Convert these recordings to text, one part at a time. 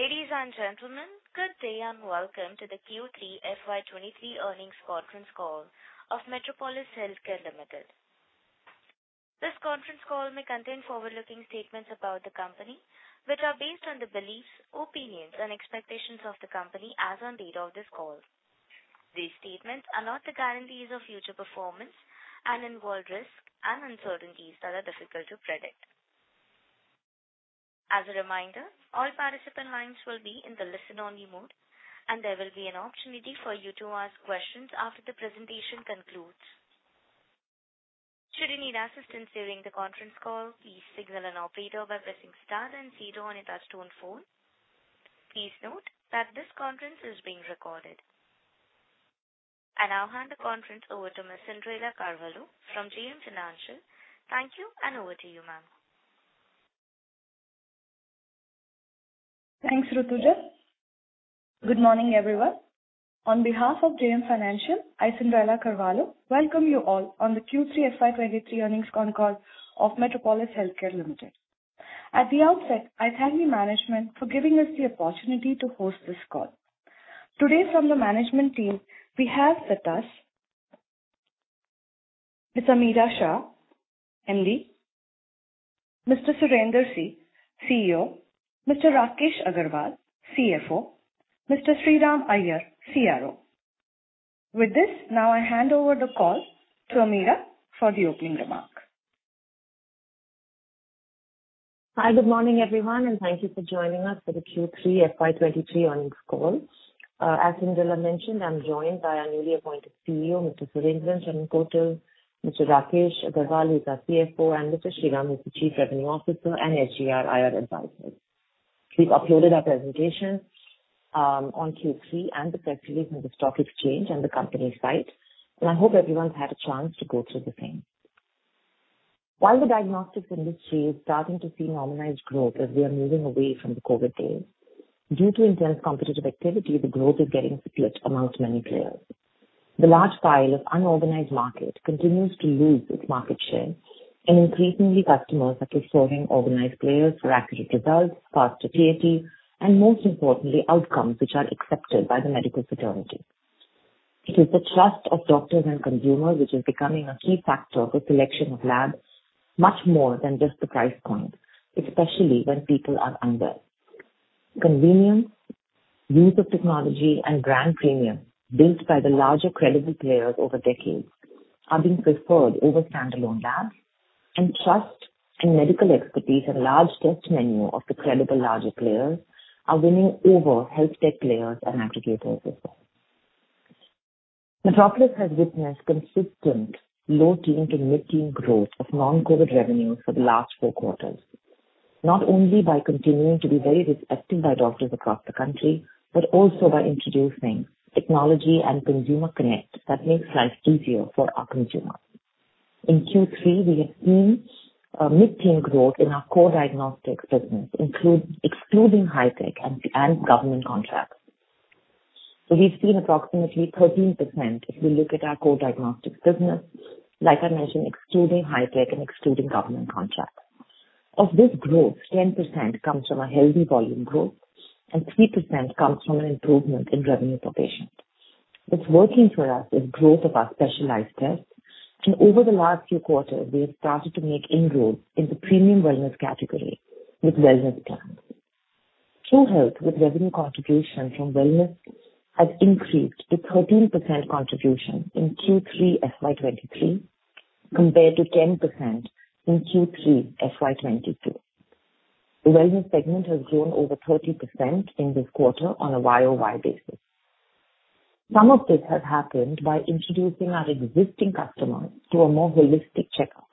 Ladies and gentlemen, good day and welcome to the Q3 FY23 earnings conference call of Metropolis Healthcare Limited. This conference call may contain forward-looking statements about the company, which are based on the beliefs, opinions, and expectations of the company as of the date of this call. These statements are not the guarantees of future performance and involve risks and uncertainties that are difficult to predict. As a reminder, all participant lines will be in the listen-only mode, and there will be an opportunity for you to ask questions after the presentation concludes. Should you need assistance during the conference call, please signal an operator by pressing star and zero on your touch-tone phone. Please note that this conference is being recorded. I now hand the conference over to Ms. Cinderella Carvalho from JM Financial. Thank you, and over to you, ma'am. Thanks, Ruthuja. Good morning, everyone. On behalf of JM Financial, I, Cyndrella Carvalho, welcome you all on the Q3 FY23 earnings conference call of Metropolis Healthcare Limited. At the outset, I thank the management for giving us the opportunity to host this call. Today, from the management team, we have with us Ms. Ameera Shah, MD, Mr. Surendran, CEO, Mr. Rakesh Agarwal, CFO, Mr. Sriram Iyer, CRO. With this, now I hand over the call to Ameera for the opening remarks. Hi, good morning, everyone, and thank you for joining us for the Q3 FY23 earnings call. As Cinderella mentioned, I'm joined by our newly appointed CEO, Mr. Surendran Chemmenkotil, Mr. Rakesh Agarwal, who's our CFO, and Mr. Sriram, who's the Chief Revenue Officer and SGR IR Advisor. We've uploaded our presentations on Q3 and the press release on the stock exchange and the company site, and I hope everyone's had a chance to go through the same. While the diagnostics industry is starting to see normalized growth as we are moving away from the COVID days, due to intense competitive activity, the growth is getting split amongst many players. The large pile of unorganized market continues to lose its market share, and increasingly, customers are preferring organized players for accurate results, faster TAT, and most importantly, outcomes which are accepted by the medical fraternity. It is the trust of doctors and consumers which is becoming a key factor for selection of labs, much more than just the price point, especially when people are unwell. Convenience, use of technology, and brand premium built by the larger credible players over decades are being preferred over standalone labs, and trust and medical expertise and large test menu of the credible larger players are winning over health tech players and aggregators as well. Metropolis has witnessed consistent low-teens to mid-teens growth of non-COVID revenues for the last four quarters, not only by continuing to be very respected by doctors across the country, but also by introducing technology and consumer connect that makes life easier for our consumers. In Q3, we have seen mid-teens growth in our core diagnostics business, excluding Hitech and government contracts. So we've seen approximately 13% if we look at our core diagnostics business, like I mentioned, excluding High-tech and excluding government contracts. Of this growth, 10% comes from a healthy volume growth, and 3% comes from an improvement in revenue per patient. What's working for us is growth of our specialized tests, and over the last few quarters, we have started to make inroads in the premium wellness category with wellness plans. TruHealth with revenue contribution from wellness has increased to 13% contribution in Q3 FY23 compared to 10% in Q3 FY22. The wellness segment has grown over 30% in this quarter on a YOY basis. Some of this has happened by introducing our existing customers to a more holistic checkup,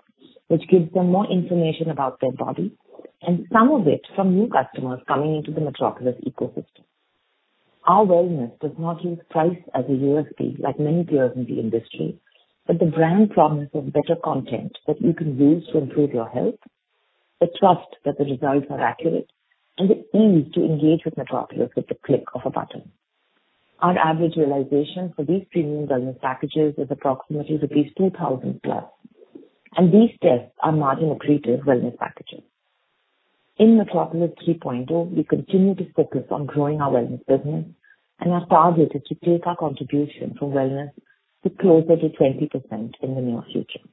which gives them more information about their body, and some of it from new customers coming into the Metropolis ecosystem. Our wellness does not use price as a USP like many players in the industry, but the brand promise of better content that you can use to improve your health, the trust that the results are accurate, and the ease to engage with Metropolis with the click of a button. Our average realization for these premium wellness packages is approximately 2,000 plus, and these tests are margin-accretive wellness packages. In Metropolis 3.0, we continue to focus on growing our wellness business, and our target is to take our contribution from wellness to closer to 20% in the near future.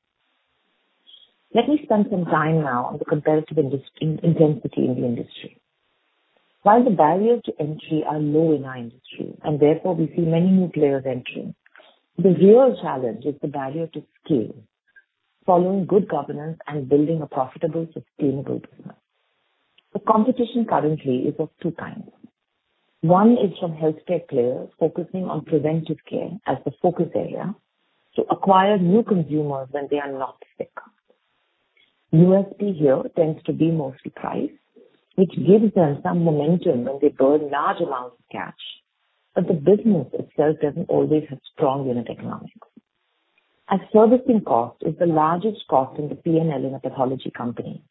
Let me spend some time now on the competitive intensity in the industry. While the barriers to entry are low in our industry, and therefore we see many new players entering, the real challenge is the barrier to scale following good governance and building a profitable, sustainable business. The competition currently is of two kinds. One is from healthcare players focusing on preventive care as the focus area to acquire new consumers when they are not sick. USP here tends to be mostly price, which gives them some momentum when they burn large amounts of cash, but the business itself doesn't always have strong unit economics. As servicing cost is the largest cost in the P&L in a pathology company,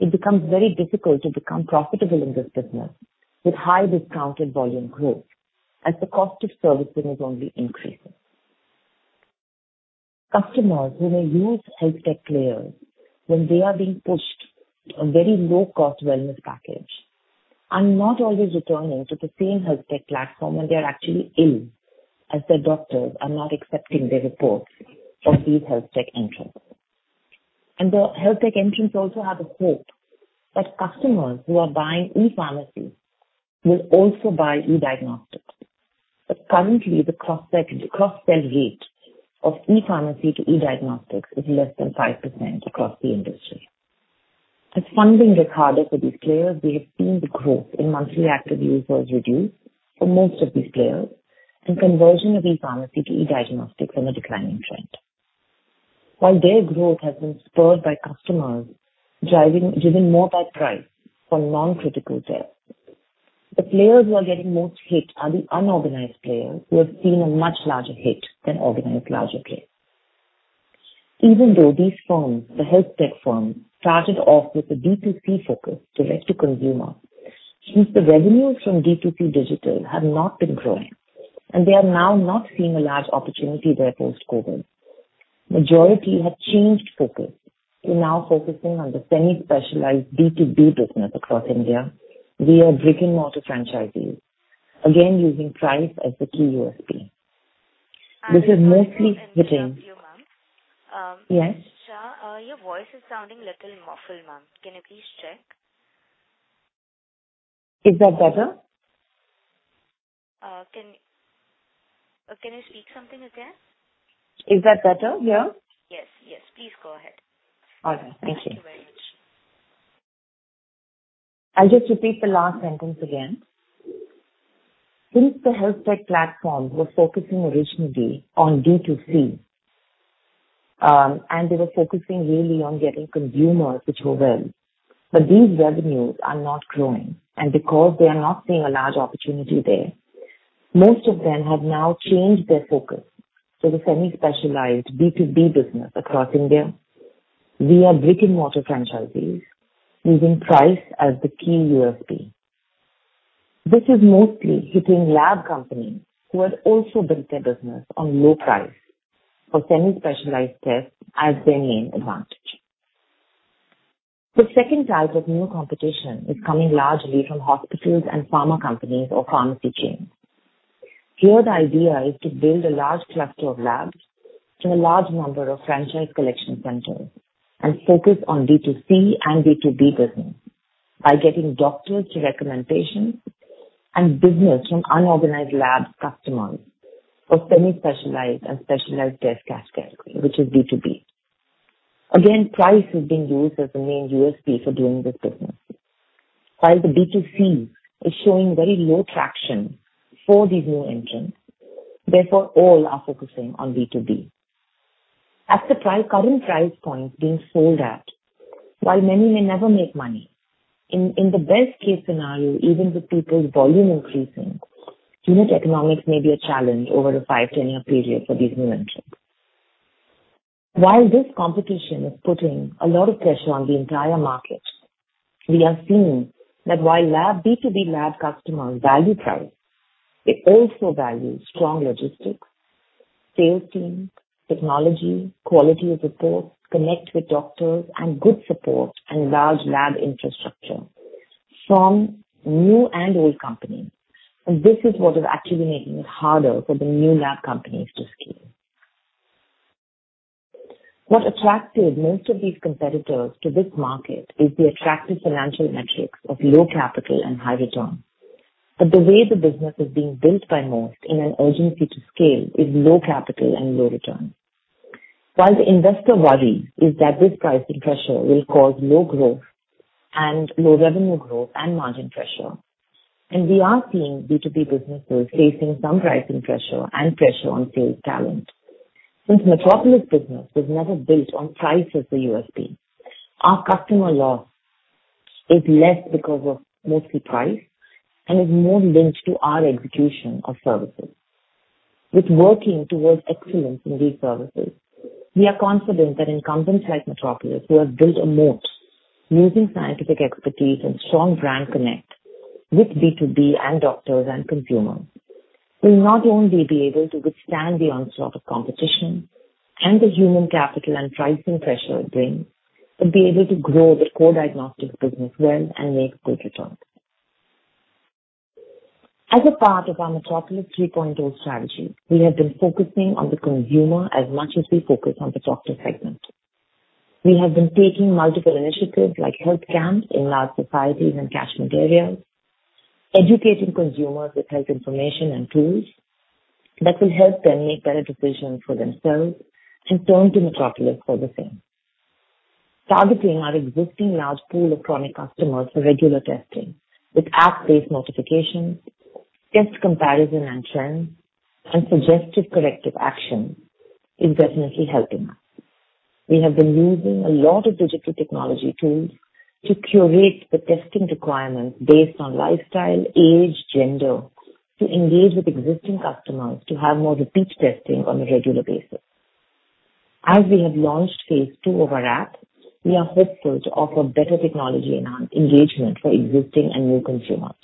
it becomes very difficult to become profitable in this business with high discounted volume growth as the cost of servicing is only increasing. Customers who may use health tech players when they are being pushed a very low-cost wellness package are not always returning to the same health tech platform when they are actually ill as their doctors are not accepting their reports of these health tech entrants. The health tech entrants also have a hope that customers who are buying e-pharmacy will also buy e-diagnostics. Currently, the cross-sell rate of e-pharmacy to e-diagnostics is less than 5% across the industry. As funding gets harder for these players, we have seen the growth in monthly active users reduce for most of these players, and conversion of e-pharmacy to e-diagnostics is a declining trend. While their growth has been spurred by customers giving more by price for non-critical tests, the players who are getting most hit are the unorganized players who have seen a much larger hit than organized larger players. Even though these firms, the health tech firms, started off with a D2C focus direct to consumer, since the revenues from D2C digital have not been growing, and they are now not seeing a large opportunity there post-COVID, the majority have changed focus to now focusing on the semi-specialized B2B business across India, via brick-and-mortar franchisees, again using price as the key USP. This is mostly hitting. Hi, thank you, ma'am. Yes? Your voice is sounding a little muffled, ma'am. Can you please check? Is that better? Can you speak something again? Is that better? Yeah? Yes. Yes. Please go ahead. All right. Thank you. Thank you very much. I'll just repeat the last sentence again. Since the health tech platform was focusing originally on D2C, and they were focusing really on getting consumers to show well, but these revenues are not growing, and because they are not seeing a large opportunity there, most of them have now changed their focus to the semi-specialized B2B business across India, via brick-and-mortar franchisees, using price as the key USP. This is mostly hitting lab companies who had also built their business on low price for semi-specialized tests as their main advantage. The second type of new competition is coming largely from hospitals and pharma companies or pharmacy chains. Here, the idea is to build a large cluster of labs and a large number of franchise collection centers and focus on D2C and D2B business by getting doctors to recommend patients and business from unorganized lab customers for semi-specialized and specialized test category, which is D2B. Again, price has been used as the main USP for doing this business. While the B2C is showing very low traction for these new entrants. Therefore all are focusing on B2B. At the current price point being sold at, while many may never make money, in the best-case scenario, even with people's volume increasing, unit economics may be a challenge over a 5-10-year period for these new entrants. While this competition is putting a lot of pressure on the entire market, we are seeing that while B2B lab customers value price, they also value strong logistics, sales teams, technology, quality of reports, connect with doctors, and good support and large lab infrastructure from new and old companies. And this is what is actually making it harder for the new lab companies to scale. What attracted most of these competitors to this market is the attractive financial metrics of low capital and high return. But the way the business is being built by most in an urgency to scale is low capital and low return. While the investor worries that this pricing pressure will cause low growth and low revenue growth and margin pressure, and we are seeing B2B businesses facing some pricing pressure and pressure on sales talent. Since Metropolis business was never built on price as the USP, our customer loss is less because of mostly price and is more linked to our execution of services. With working towards excellence in these services, we are confident that incumbents like Metropolis, who have built a moat using scientific expertise and strong brand connect with B2B and doctors and consumers, will not only be able to withstand the onslaught of competition and the human capital and pricing pressure it brings, but be able to grow the core diagnostics business well and make good returns. As a part of our Metropolis 3.0 strategy, we have been focusing on the consumer as much as we focus on the doctor segment. We have been taking multiple initiatives like health camps in large societies and catchment areas, educating consumers with health information and tools that will help them make better decisions for themselves and turn to Metropolis for the same. Targeting our existing large pool of chronic customers for regular testing with app-based notifications, test comparison and trends, and suggestive corrective action is definitely helping us. We have been using a lot of digital technology tools to curate the testing requirements based on lifestyle, age, gender to engage with existing customers to have more repeat testing on a regular basis. As we have launched phase two of our app, we are hopeful to offer better technology and engagement for existing and new consumers.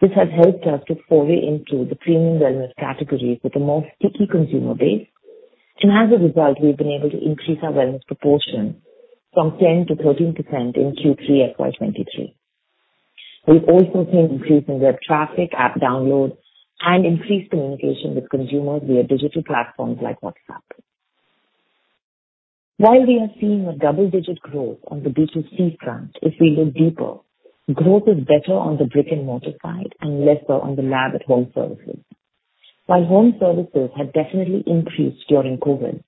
This has helped us to foray into the premium wellness categories with a more sticky consumer base, and as a result, we've been able to increase our wellness proportion from 10%-13% in Q3 FY23. We've also seen increase in web traffic, app download, and increased communication with consumers via digital platforms like WhatsApp. While we are seeing a double-digit growth on the B2C front, if we look deeper, growth is better on the brick-and-mortar side and lesser on the lab at home services. While home services have definitely increased during COVID,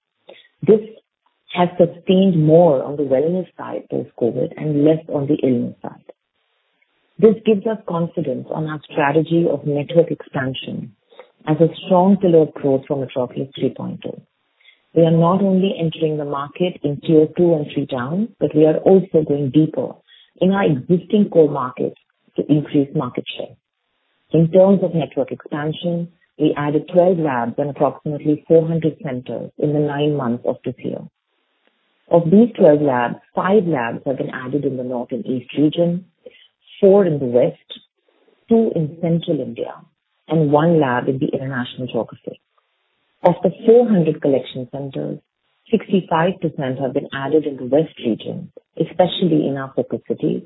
this has sustained more on the wellness side post-COVID and less on the illness side. This gives us confidence on our strategy of network expansion as a strong pillar approach for Metropolis 3.0. We are not only entering the market in tier two and three towns, but we are also going deeper in our existing core markets to increase market share. In terms of network expansion, we added 12 labs and approximately 400 centers in the nine months of this year. Of these 12 labs, five labs have been added in the North and East region, four in the West, two in Central India, and one lab in the international geography. Of the 400 collection centers, 65% have been added in the West region, especially in our focus cities,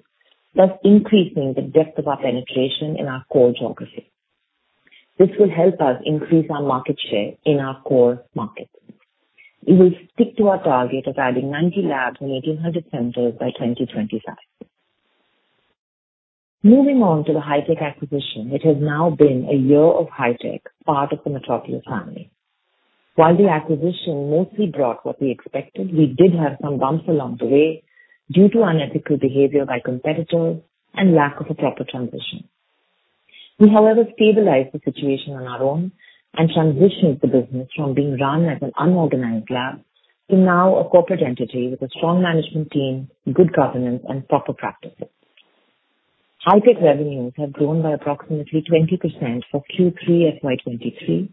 thus increasing the depth of our penetration in our core geography. This will help us increase our market share in our core markets. We will stick to our target of adding 90 labs and 1,800 centers by 2025. Moving on to the Hitech acquisition, it has now been a year of Hitech part of the Metropolis family. While the acquisition mostly brought what we expected, we did have some bumps along the way due to unethical behavior by competitors and lack of a proper transition. We, however, stabilized the situation on our own and transitioned the business from being run as an unorganized lab to now a corporate entity with a strong management team, good governance, and proper practices. Hitech revenues have grown by approximately 20% for Q3 FY23.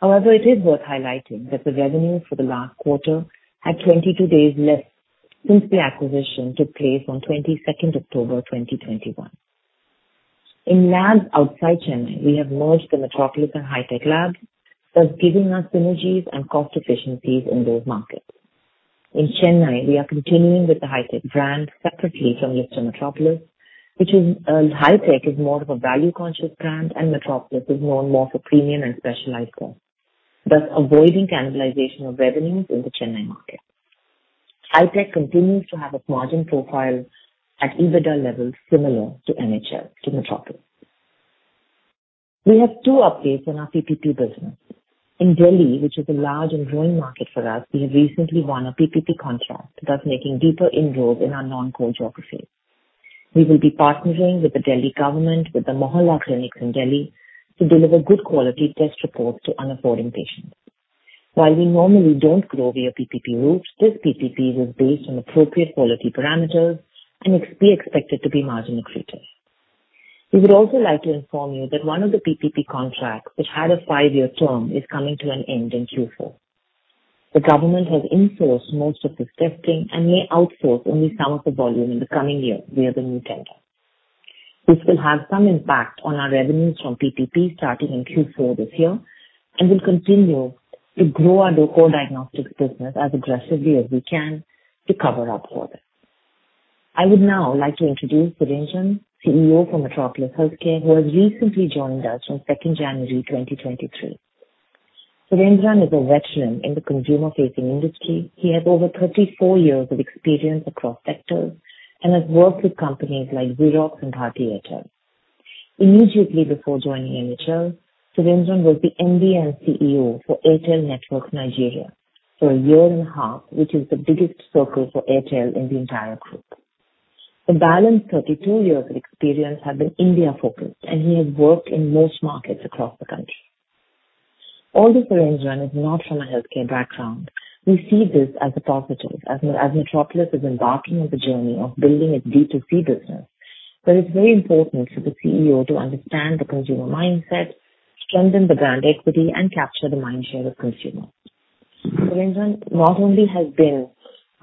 However, it is worth highlighting that the revenues for the last quarter had 22 days less since the acquisition took place on 22nd October 2021. In labs outside Chennai, we have merged the Metropolis and Hitech labs, thus giving us synergies and cost efficiencies in those markets. In Chennai, we are continuing with the Hitech brand separately from listed Metropolis, which, Hitech, is more of a value-conscious brand, and Metropolis is known more for premium and specialized tests, thus avoiding cannibalization of revenues in the Chennai market. Hitech continues to have a margin profile at EBITDA levels similar to MHL to Metropolis. We have two updates on our PPP business. In Delhi, which is a large and growing market for us, we have recently won a PPP contract, thus making deeper inroads in our non-core geography. We will be partnering with the Delhi government, with the Mohalla Clinics in Delhi, to deliver good quality test reports to unaffording patients. While we normally don't grow via PPP routes, this PPP was based on appropriate quality parameters and we expect it to be margin accretive. We would also like to inform you that one of the PPP contracts which had a five-year term is coming to an end in Q4. The government has insourced most of this testing and may outsource only some of the volume in the coming year via the new tender. This will have some impact on our revenues from PPP starting in Q4 this year and will continue to grow our core diagnostics business as aggressively as we can to cover up for this. I would now like to introduce Surendran, CEO for Metropolis Healthcare, who has recently joined us on 2nd January 2023. Surendran is a veteran in the consumer-facing industry. He has over 34 years of experience across sectors and has worked with companies like Xerox and Bharti Airtel. Immediately before joining MHL, Surendran was the MD and CEO for Airtel Networks Nigeria for a year and a half, which is the biggest circle for Airtel in the entire group. The balance of 32 years of experience has been India-focused, and he has worked in most markets across the country. Although Surendran is not from a healthcare background, we see this as a positive, as Metropolis is embarking on the journey of building its B2C business, but it's very important for the CEO to understand the consumer mindset, strengthen the brand equity, and capture the mind share of consumers. Surendran not only has been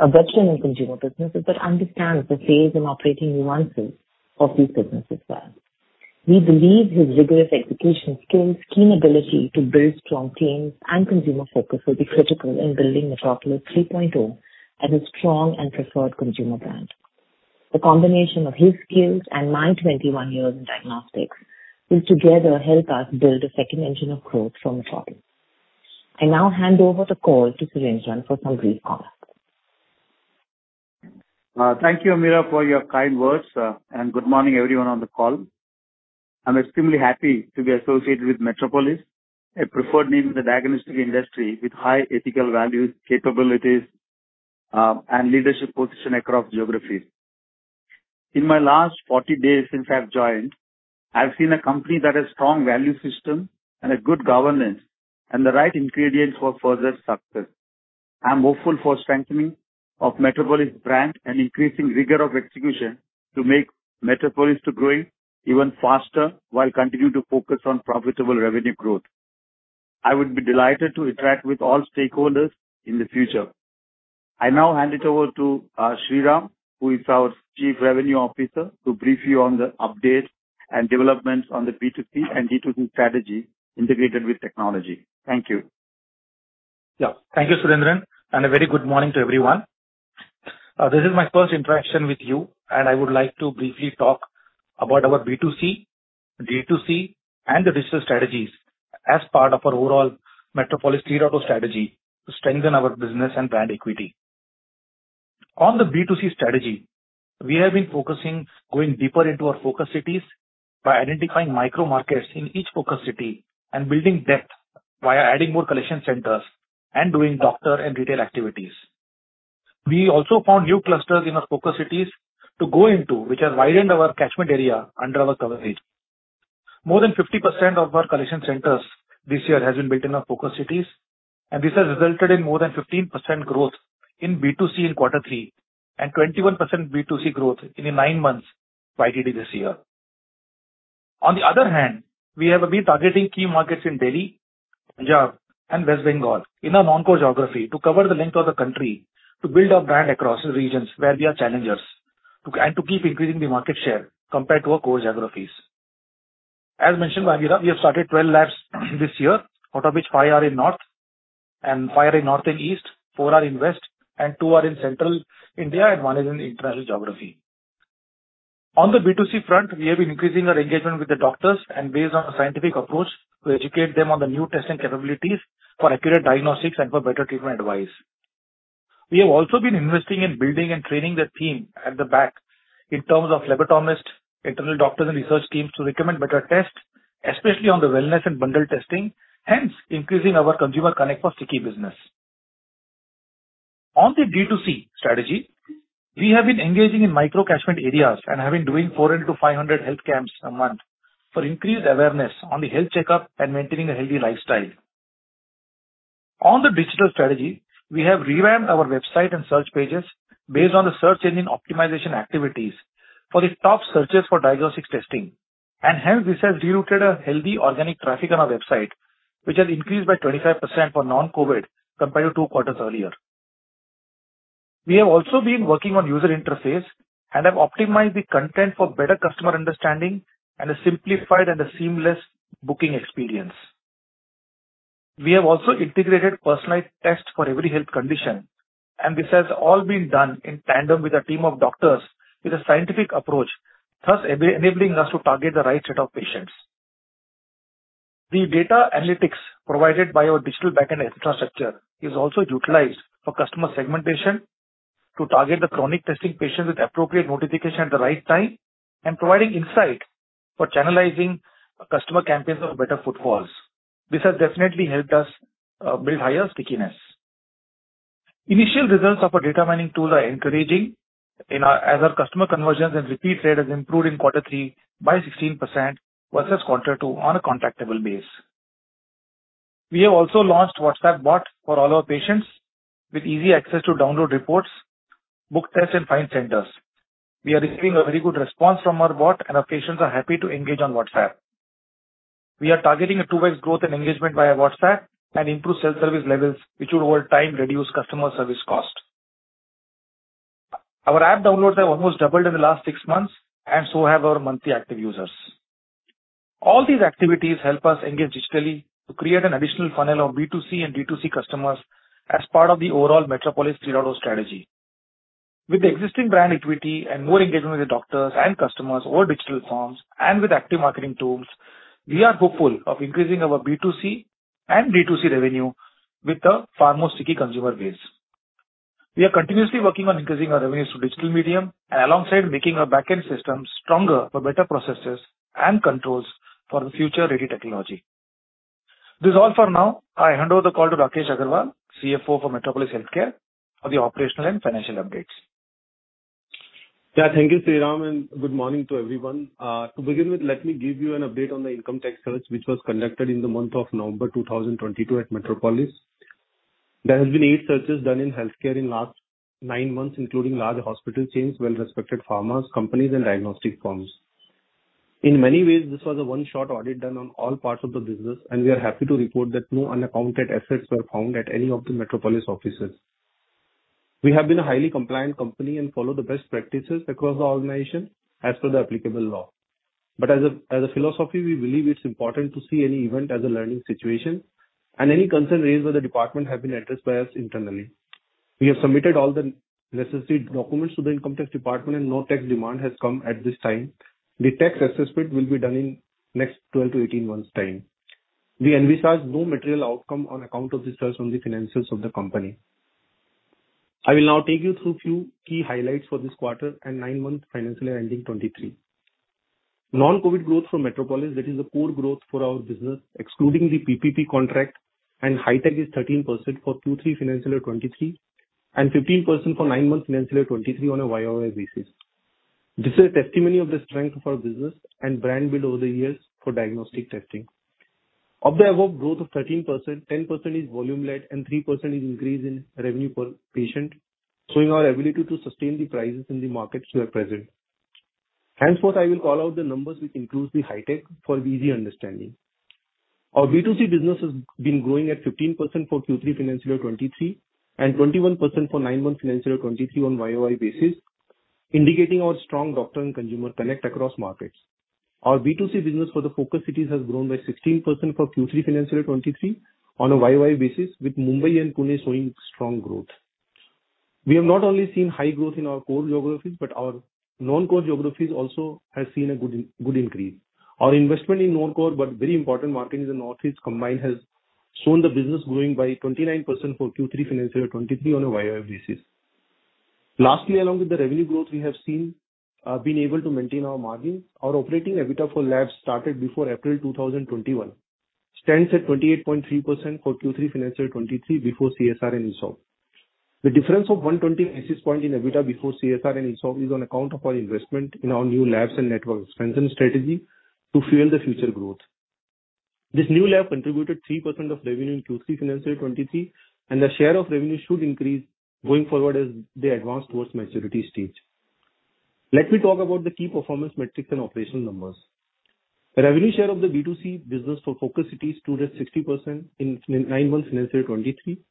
a veteran in consumer businesses but understands the sales and operating nuances of these businesses well. We believe his rigorous execution skills, keen ability to build strong teams, and consumer focus will be critical in building Metropolis 3.0 as a strong and preferred consumer brand. The combination of his skills and my 21 years in diagnostics will together help us build a second engine of growth for Metropolis. I now hand over the call to Surendran for some brief comments. Thank you, Ameera, for your kind words, and good morning, everyone on the call. I'm extremely happy to be associated with Metropolis, a preferred name in the diagnostic industry with high ethical values, capabilities, and leadership positions across geographies. In my last 40 days since I've joined, I've seen a company that has a strong value system and good governance and the right ingredients for further success. I'm hopeful for the strengthening of Metropolis's brand and increasing rigor of execution to make Metropolis grow even faster while continuing to focus on profitable revenue growth. I would be delighted to interact with all stakeholders in the future. I now hand it over to Sriram, who is our Chief Revenue Officer, to brief you on the updates and developments on the B2C and D2C strategy integrated with technology. Thank you. Yeah, thank you, Surendran, and a very good morning to everyone. This is my first interaction with you, and I would like to briefly talk about our B2C, D2C, and the digital strategies as part of our overall Metropolis 3.0 strategy to strengthen our business and brand equity. On the B2C strategy, we have been focusing on going deeper into our focus cities by identifying micro-markets in each focus city and building depth via adding more collection centers and doing doctor and retail activities. We also found new clusters in our focus cities to go into, which have widened our catchment area under our coverage. More than 50% of our collection centers this year have been built in our focus cities, and this has resulted in more than 15% growth in B2C in quarter three and 21% B2C growth in nine months YTD this year. On the other hand, we have been targeting key markets in Delhi, Punjab, and West Bengal in our non-core geography to cover the length of the country to build our brand across regions where we are challengers and to keep increasing the market share compared to our core geographies. As mentioned, Ameera, we have started 12 labs this year, out of which five are in North and five are in North and East, four are in West, and two are in Central India, and one is in international geography. On the B2C front, we have been increasing our engagement with the doctors and based on a scientific approach to educate them on the new testing capabilities for accurate diagnostics and for better treatment advice. We have also been investing in building and training the team at the back in terms of laboratory internal doctors and research teams to recommend better tests, especially on the wellness and bundle testing, hence increasing our consumer connect for sticky business. On the D2C strategy, we have been engaging in micro-catchment areas and have been doing 400-500 health camps a month for increased awareness on the health checkup and maintaining a healthy lifestyle. On the digital strategy, we have revamped our website and search pages based on the search engine optimization activities for the top searches for diagnostic testing, and hence this has rerouted a healthy organic traffic on our website, which has increased by 25% for non-COVID compared to two quarters earlier. We have also been working on user interface and have optimized the content for better customer understanding and a simplified and seamless booking experience. We have also integrated personalized tests for every health condition, and this has all been done in tandem with a team of doctors with a scientific approach, thus enabling us to target the right set of patients. The data analytics provided by our digital backend infrastructure is also utilized for customer segmentation to target the chronic testing patients with appropriate notification at the right time and providing insight for channelizing customer campaigns of better footfalls. This has definitely helped us build higher stickiness. Initial results of our data mining tools are encouraging as our customer conversions and repeat rate have improved in quarter three by 16% versus quarter two on a contactable base. We have also launched WhatsApp bot for all our patients with easy access to download reports, book tests, and find centers. We are receiving a very good response from our bot, and our patients are happy to engage on WhatsApp. We are targeting a two-way growth and engagement via WhatsApp and improved self-service levels, which will over time reduce customer service costs. Our app downloads have almost doubled in the last six months, and so have our monthly active users. All these activities help us engage digitally to create an additional funnel of B2C and D2C customers as part of the overall Metropolis 3.0 strategy. With the existing brand equity and more engagement with the doctors and customers over digital forms and with active marketing tools, we are hopeful of increasing our B2C and D2C revenue with the far more sticky consumer base. We are continuously working on increasing our revenues through digital medium and alongside making our backend systems stronger for better processes and controls for the future-ready technology. This is all for now. I hand over the call to Rakesh Agarwal, CFO for Metropolis Healthcare, for the operational and financial updates. Yeah, thank you, Sriram, and good morning to everyone. To begin with, let me give you an update on the income tax search, which was conducted in the month of November 2022 at Metropolis. There have been eight searches done in healthcare in the last nine months, including large hospital chains, well-respected pharma companies, and diagnostic firms. In many ways, this was a one-shot audit done on all parts of the business, and we are happy to report that no unaccounted assets were found at any of the Metropolis offices. We have been a highly compliant company and follow the best practices across the organization as per the applicable law. But as a philosophy, we believe it's important to see any event as a learning situation, and any concerns raised by the department have been addressed by us internally. We have submitted all the necessary documents to the income tax department, and no tax demand has come at this time. The tax assessment will be done in the next 12 to 18 months' time. We envisage no material outcome on account of this search on the financials of the company. I will now take you through a few key highlights for this quarter and nine-month financial year ending 2023. Non-COVID growth for Metropolis, that is, the core growth for our business, excluding the PPP contract, and Hitech is 13% for Q3 financial year 2023 and 15% for nine-month financial year 2023 on a YOY basis. This is a testimony of the strength of our business and brand build over the years for diagnostic testing. Of the above growth of 13%, 10% is volume-led, and 3% is increase in revenue per patient, showing our ability to sustain the prices in the markets we are present. Henceforth, I will call out the numbers which include the High-tech for easy understanding. Our B2C business has been growing at 15% for Q3 financial year 2023 and 21% for nine-month financial year 2023 on a YOY basis, indicating our strong doctor and consumer connect across markets. Our B2C business for the focus cities has grown by 16% for Q3 financial year 2023 on a YOY basis, with Mumbai and Pune showing strong growth. We have not only seen high growth in our core geographies, but our non-core geographies also have seen a good increase. Our investment in non-core but very important markets in the northeast combined has shown the business growing by 29% for Q3 financial year 2023 on a YOY basis. Lastly, along with the revenue growth, we have been able to maintain our margins. Our operating EBITDA for labs started before April 2021, stands at 28.3% for Q3 financial year 2023 before CSR and ESOP. The difference of 120 basis points in EBITDA before CSR and ESOP is on account of our investment in our new labs and network expansion strategy to fuel the future growth. This new lab contributed 3% of revenue in Q3 financial year 2023, and the share of revenue should increase going forward as they advance towards maturity stage. Let me talk about the key performance metrics and operational numbers. The revenue share of the B2C business for focus cities stood at 60% in nine-month financial year 2023,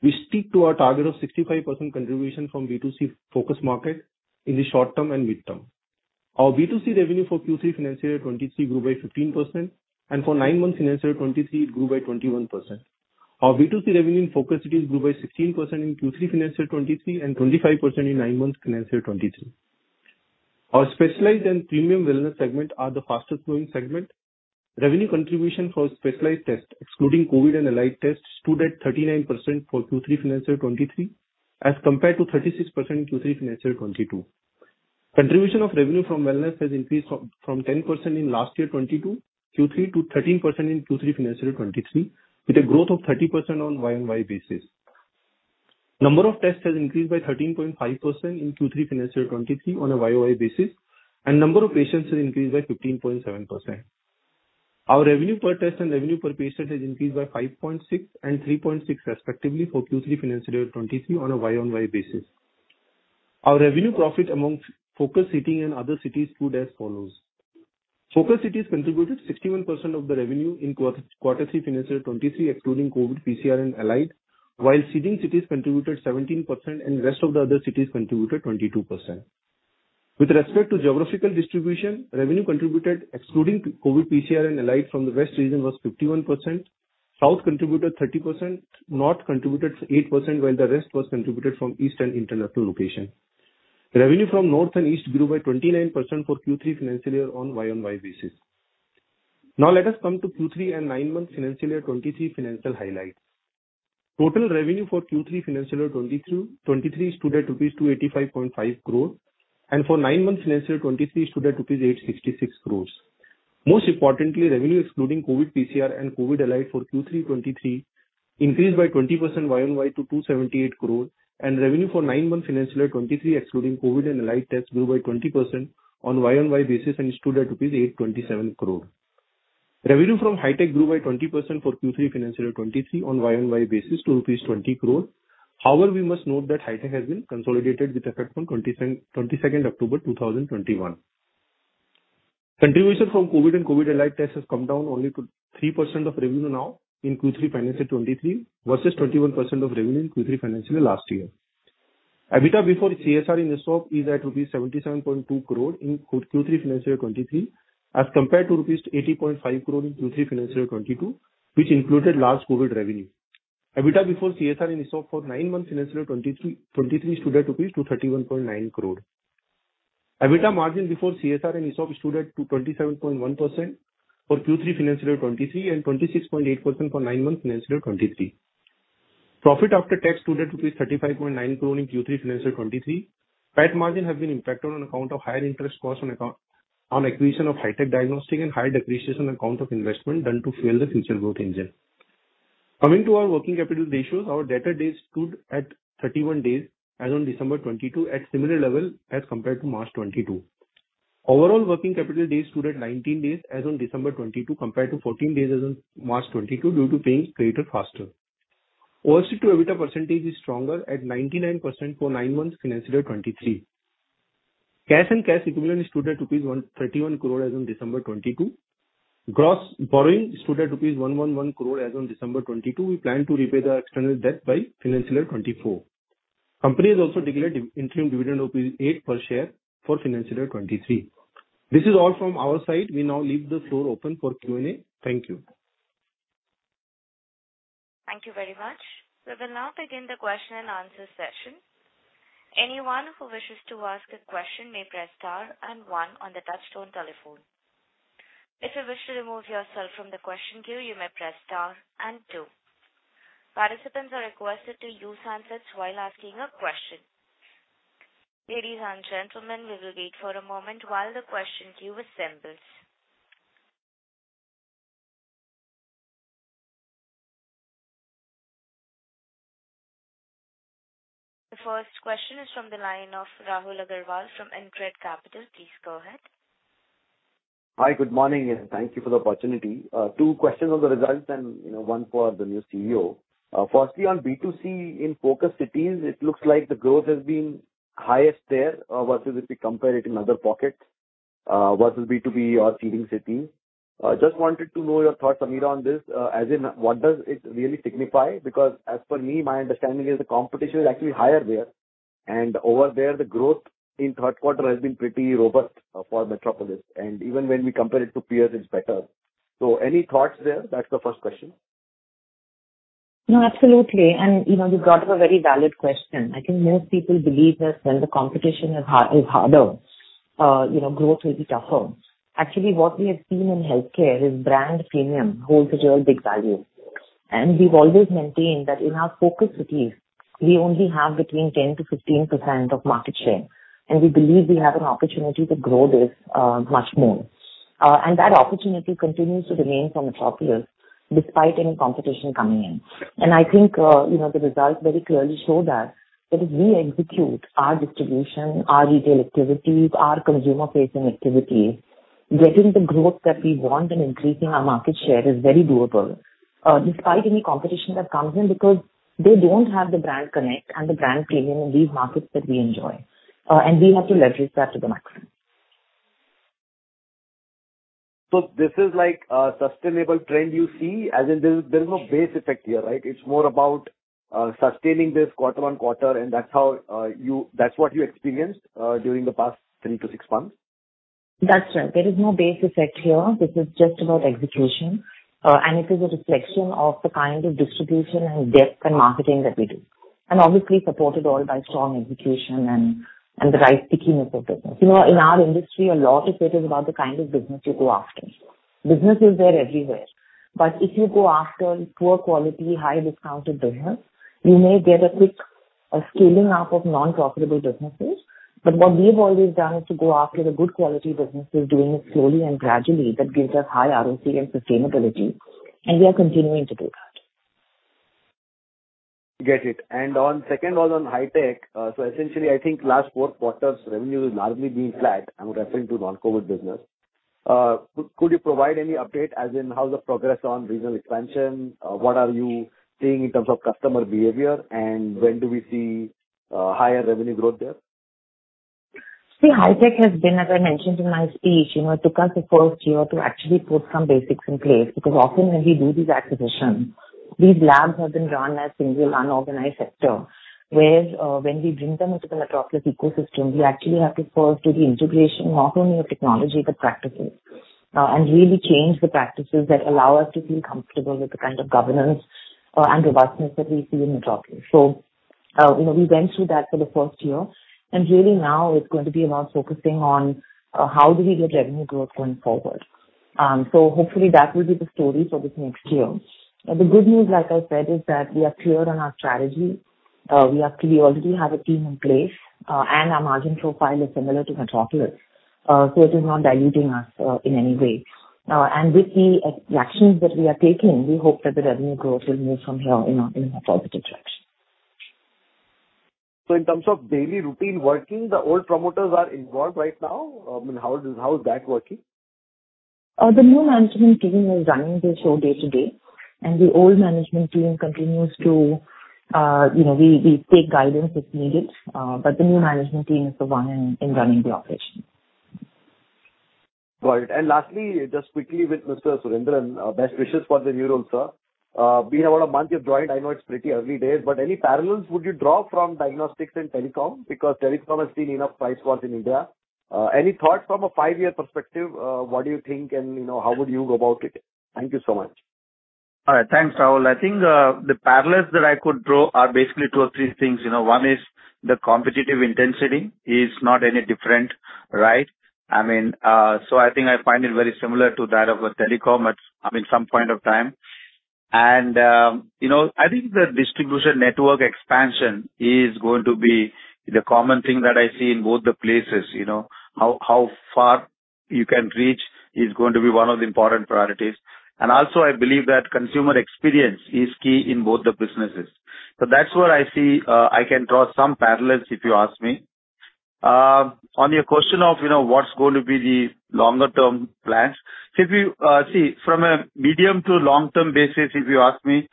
which stick to our target of 65% contribution from B2C focus market in the short term and midterm. Our B2C revenue for Q3 financial year 2023 grew by 15%, and for nine-month financial year 2023, it grew by 21%. Our B2C revenue in focus cities grew by 16% in Q3 financial year 2023 and 25% in nine-month financial year 2023. Our specialized and premium wellness segment are the fastest-growing segment. Revenue contribution for specialized tests, excluding COVID and allied tests, stood at 39% for Q3 financial year 2023, as compared to 36% in Q3 financial year 2022. Contribution of revenue from wellness has increased from 10% in last year 2022 Q3 to 13% in Q3 financial year 2023, with a growth of 30% on a YOY basis. Number of tests has increased by 13.5% in Q3 financial year 2023 on a YOY basis, and number of patients has increased by 15.7%. Our revenue per test and revenue per patient has increased by 5.6% and 3.6% respectively for Q3 financial year 2023 on a YOY basis. Our revenue contribution among focus cities and other cities stood as follows. Focus cities contributed 61% of the revenue in quarter three financial year 2023, excluding COVID, PCR, and allied, while seeding cities contributed 17% and the rest of the other cities contributed 22%. With respect to geographical distribution, revenue contributed, excluding COVID, PCR, and allied from the west region, was 51%. South contributed 30%, north contributed 8%, while the rest was contributed from east and international location. Revenue from north and east grew by 29% for Q3 financial year on a YOY basis. Now let us come to Q3 and nine-month financial year 2023 financial highlight. Total revenue for Q3 financial year 2023 stood at rupees 285.5 crore, and for nine-month financial year 2023, it stood at rupees 866 crore. Most importantly, revenue excluding COVID, PCR, and COVID allied for Q3 2023 increased by 20% YOY to 278 crore, and revenue for nine-month financial year 2023, excluding COVID and allied tests, grew by 20% on a YOY basis and stood at rupees 827 crore. Revenue from Hitech grew by 20% for Q3 financial year 2023 on a YOY basis to rupees 20 crore. However, we must note that Hitech has been consolidated with effect from 22nd October 2021. Contribution from COVID and COVID allied tests has come down only to 3% of revenue now in Q3 financial year 2023 versus 21% of revenue in Q3 financial year last year. EBITDA before CSR and ESOP is at rupees 77.2 crore in Q3 financial year 2023, as compared to rupees 80.5 crore in Q3 financial year 2022, which included large COVID revenue. EBITDA before CSR and ESOP for nine-month financial year 2023 stood at 31.9 crore. EBITDA margin before CSR and ESOP stood at 27.1% for Q3 financial year 2023 and 26.8% for nine-month financial year 2023. Profit after tax stood at 35.9 crore in Q3 financial year 2023. Net margin has been impacted on account of higher interest costs on acquisition of Hitech Diagnostic and higher depreciation on account of investment done to fuel the future growth engine. Coming to our working capital ratios, our debtor days stood at 31 days as on December 2022, at similar level as compared to March 2022. Overall working capital days stood at 19 days as on December 2022, compared to 14 days as on March 2022 due to paying suppliers faster. Consolidated EBITDA percentage is stronger at 99% for nine-month financial year 2023. Cash and cash equivalent stood at rupees 31 crore as on December 2022. Gross borrowing stood at rupees 111 crore as on December 2022. We plan to repay the external debt by financial year 2024. Company has also declared interim dividend of 8 per share for financial year 2023. This is all from our side. We now leave the floor open for Q&A. Thank you. Thank you very much. We will now begin the question and answer session. Anyone who wishes to ask a question may press star and one on the touch-tone telephone. If you wish to remove yourself from the question queue, you may press star and two. Participants are requested to use handsets while asking a question. Ladies and gentlemen, we will wait for a moment while the question queue assembles. The first question is from the line of Rahul Agarwal from InCred Capital. Please go ahead. Hi, good morning, and thank you for the opportunity. Two questions on the results and one for the new CEO. Firstly, on B2C in focus cities, it looks like the growth has been highest there versus if we compare it in other pockets versus B2B or seeding cities. Just wanted to know your thoughts, Ameera, on this. As in, what does it really signify? Because as per me, my understanding is the competition is actually higher there. And over there, the growth in third quarter has been pretty robust for Metropolis. And even when we compare it to peers, it's better. So any thoughts there? That's the first question. No, absolutely. And you brought up a very valid question. I think most people believe that when the competition is harder, growth will be tougher. Actually, what we have seen in healthcare is brand premium holds a real big value. And we've always maintained that in our focus cities, we only have between 10%-15% of market share. And we believe we have an opportunity to grow this much more. And that opportunity continues to remain for Metropolis despite any competition coming in. And I think the results very clearly show that if we execute our distribution, our retail activities, our consumer-facing activities, getting the growth that we want and increasing our market share is very doable despite any competition that comes in because they don't have the brand connect and the brand premium in these markets that we enjoy. And we have to leverage that to the maximum. So this is like a sustainable trend you see? As in, there is no base effect here, right? It's more about sustaining this quarter on quarter, and that's what you experienced during the past three to six months? That's right. There is no base effect here. This is just about execution. And it is a reflection of the kind of distribution and depth and marketing that we do. And obviously, supported all by strong execution and the right stickiness of business. In our industry, a lot of it is about the kind of business you go after. Business is there everywhere. But if you go after poor quality, high-discounted business, you may get a quick scaling up of non-profitable businesses. But what we have always done is to go after the good quality businesses, doing it slowly and gradually, that gives us high ROCE and sustainability. And we are continuing to do that. Got it and on second, on Hitech, so essentially, I think last four quarters, revenue has largely been flat. I'm referring to non-COVID business. Could you provide any update, as in how's the progress on regional expansion? What are you seeing in terms of customer behavior, and when do we see higher revenue growth there? See, Hitech has been, as I mentioned in my speech, it took us a full year to actually put some basics in place because often when we do these acquisitions, these labs have been run as single unorganized sector, where when we bring them into the Metropolis ecosystem, we actually have to first do the integration, not only of technology, but practices, and really change the practices that allow us to feel comfortable with the kind of governance and robustness that we see in Metropolis. So we went through that for the first year. And really now, it's going to be about focusing on how do we get revenue growth going forward. So hopefully, that will be the story for this next year. The good news, like I said, is that we are clear on our strategy. We actually already have a team in place, and our margin profile is similar to Metropolis. So it is not diluting us in any way. And with the actions that we are taking, we hope that the revenue growth will move from here in a positive direction. So in terms of daily routine working, the old promoters are involved right now. I mean, how is that working? The new management team is running the show day to day. And the old management team continues to. We take guidance if needed. But the new management team is the one in running the operation. Got it. And lastly, just quickly with Mr. Surendran, best wishes for the new role, sir. We have about a month of joint. I know it's pretty early days. But any parallels would you draw from diagnostics and telecom? Because telecom has seen enough price falls in India. Any thoughts from a five-year perspective? What do you think, and how would you go about it? Thank you so much. All right. Thanks, Rahul. I think the parallels that I could draw are basically two or three things. One is the competitive intensity is not any different, right? I mean, so I think I find it very similar to that of a telecom at some point of time. And I think the distribution network expansion is going to be the common thing that I see in both the places. How far you can reach is going to be one of the important priorities. And also, I believe that consumer experience is key in both the businesses. So that's where I see I can draw some parallels, if you ask me. On your question of what's going to be the longer-term plans, see, from a medium to long-term basis, if you ask me,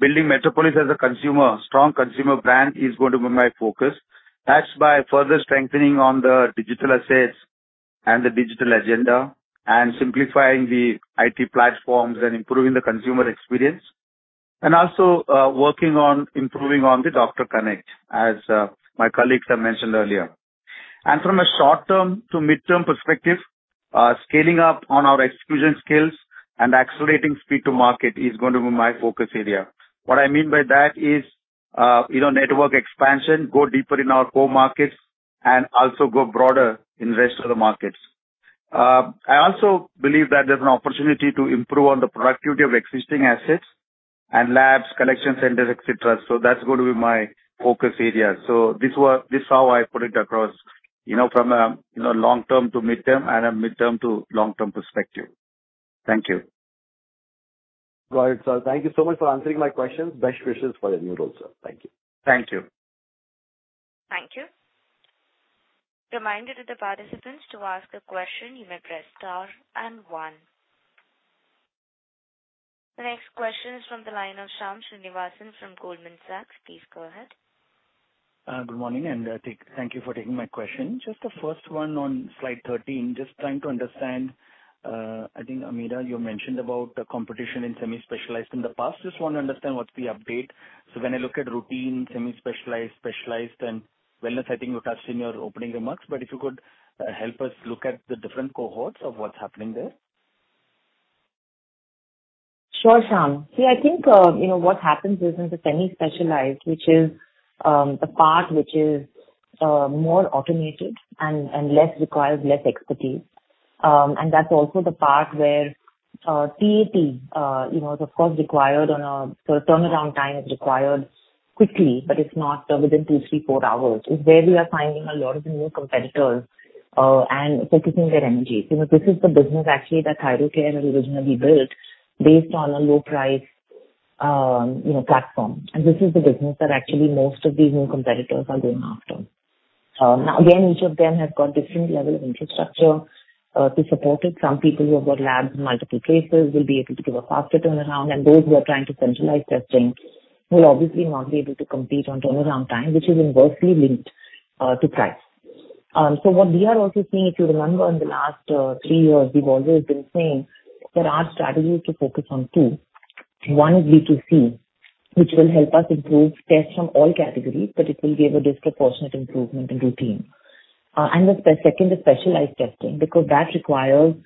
building Metropolis as a strong consumer brand is going to be my focus. That's by further strengthening on the digital assets and the digital agenda and simplifying the IT platforms and improving the consumer experience, and also working on improving on the doctor connect, as my colleagues have mentioned earlier, and from a short-term to midterm perspective, scaling up on our execution skills and accelerating speed to market is going to be my focus area. What I mean by that is network expansion, go deeper in our core markets, and also go broader in the rest of the markets. I also believe that there's an opportunity to improve on the productivity of existing assets and labs, collection centers, etc., so that's going to be my focus area, so this is how I put it across from a long-term to midterm and a midterm to long-term perspective. Thank you. Got it, sir. Thank you so much for answering my questions. Best wishes for the new role, sir. Thank you. Thank you. you. As a reminder to the participants to ask a question. You may press star and one. The next question is from the line of Shyam Srinivasan from Goldman Sachs. Please go ahead. Good morning, and thank you for taking my question. Just the first one on slide 13, just trying to understand. I think, Ameera, you mentioned about the competition in semi-specialized in the past. Just want to understand what's the update. So when I look at routine, semi-specialized, specialized, and wellness, I think you touched in your opening remarks. But if you could help us look at the different cohorts of what's happening there. Sure, Sham. See, I think what happens is in the semi-specialized, which is the part which is more automated and requires less expertise. And that's also the part where TAT is, of course, required on a turnaround time is required quickly, but it's not within two, three, four hours. It's where we are finding a lot of new competitors and focusing their energy. This is the business, actually, that Thyrocare had originally built based on a low-price platform. And this is the business that actually most of these new competitors are going after. Now, again, each of them has got different levels of infrastructure to support it. Some people who have got labs in multiple places will be able to give a faster turnaround. And those who are trying to centralize testing will obviously not be able to compete on turnaround time, which is inversely linked to price. So what we are also seeing, if you remember, in the last three years, we've always been saying there are strategies to focus on two. One is B2C, which will help us improve tests from all categories, but it will give a disproportionate improvement in routine. And the second is specialized testing because that requires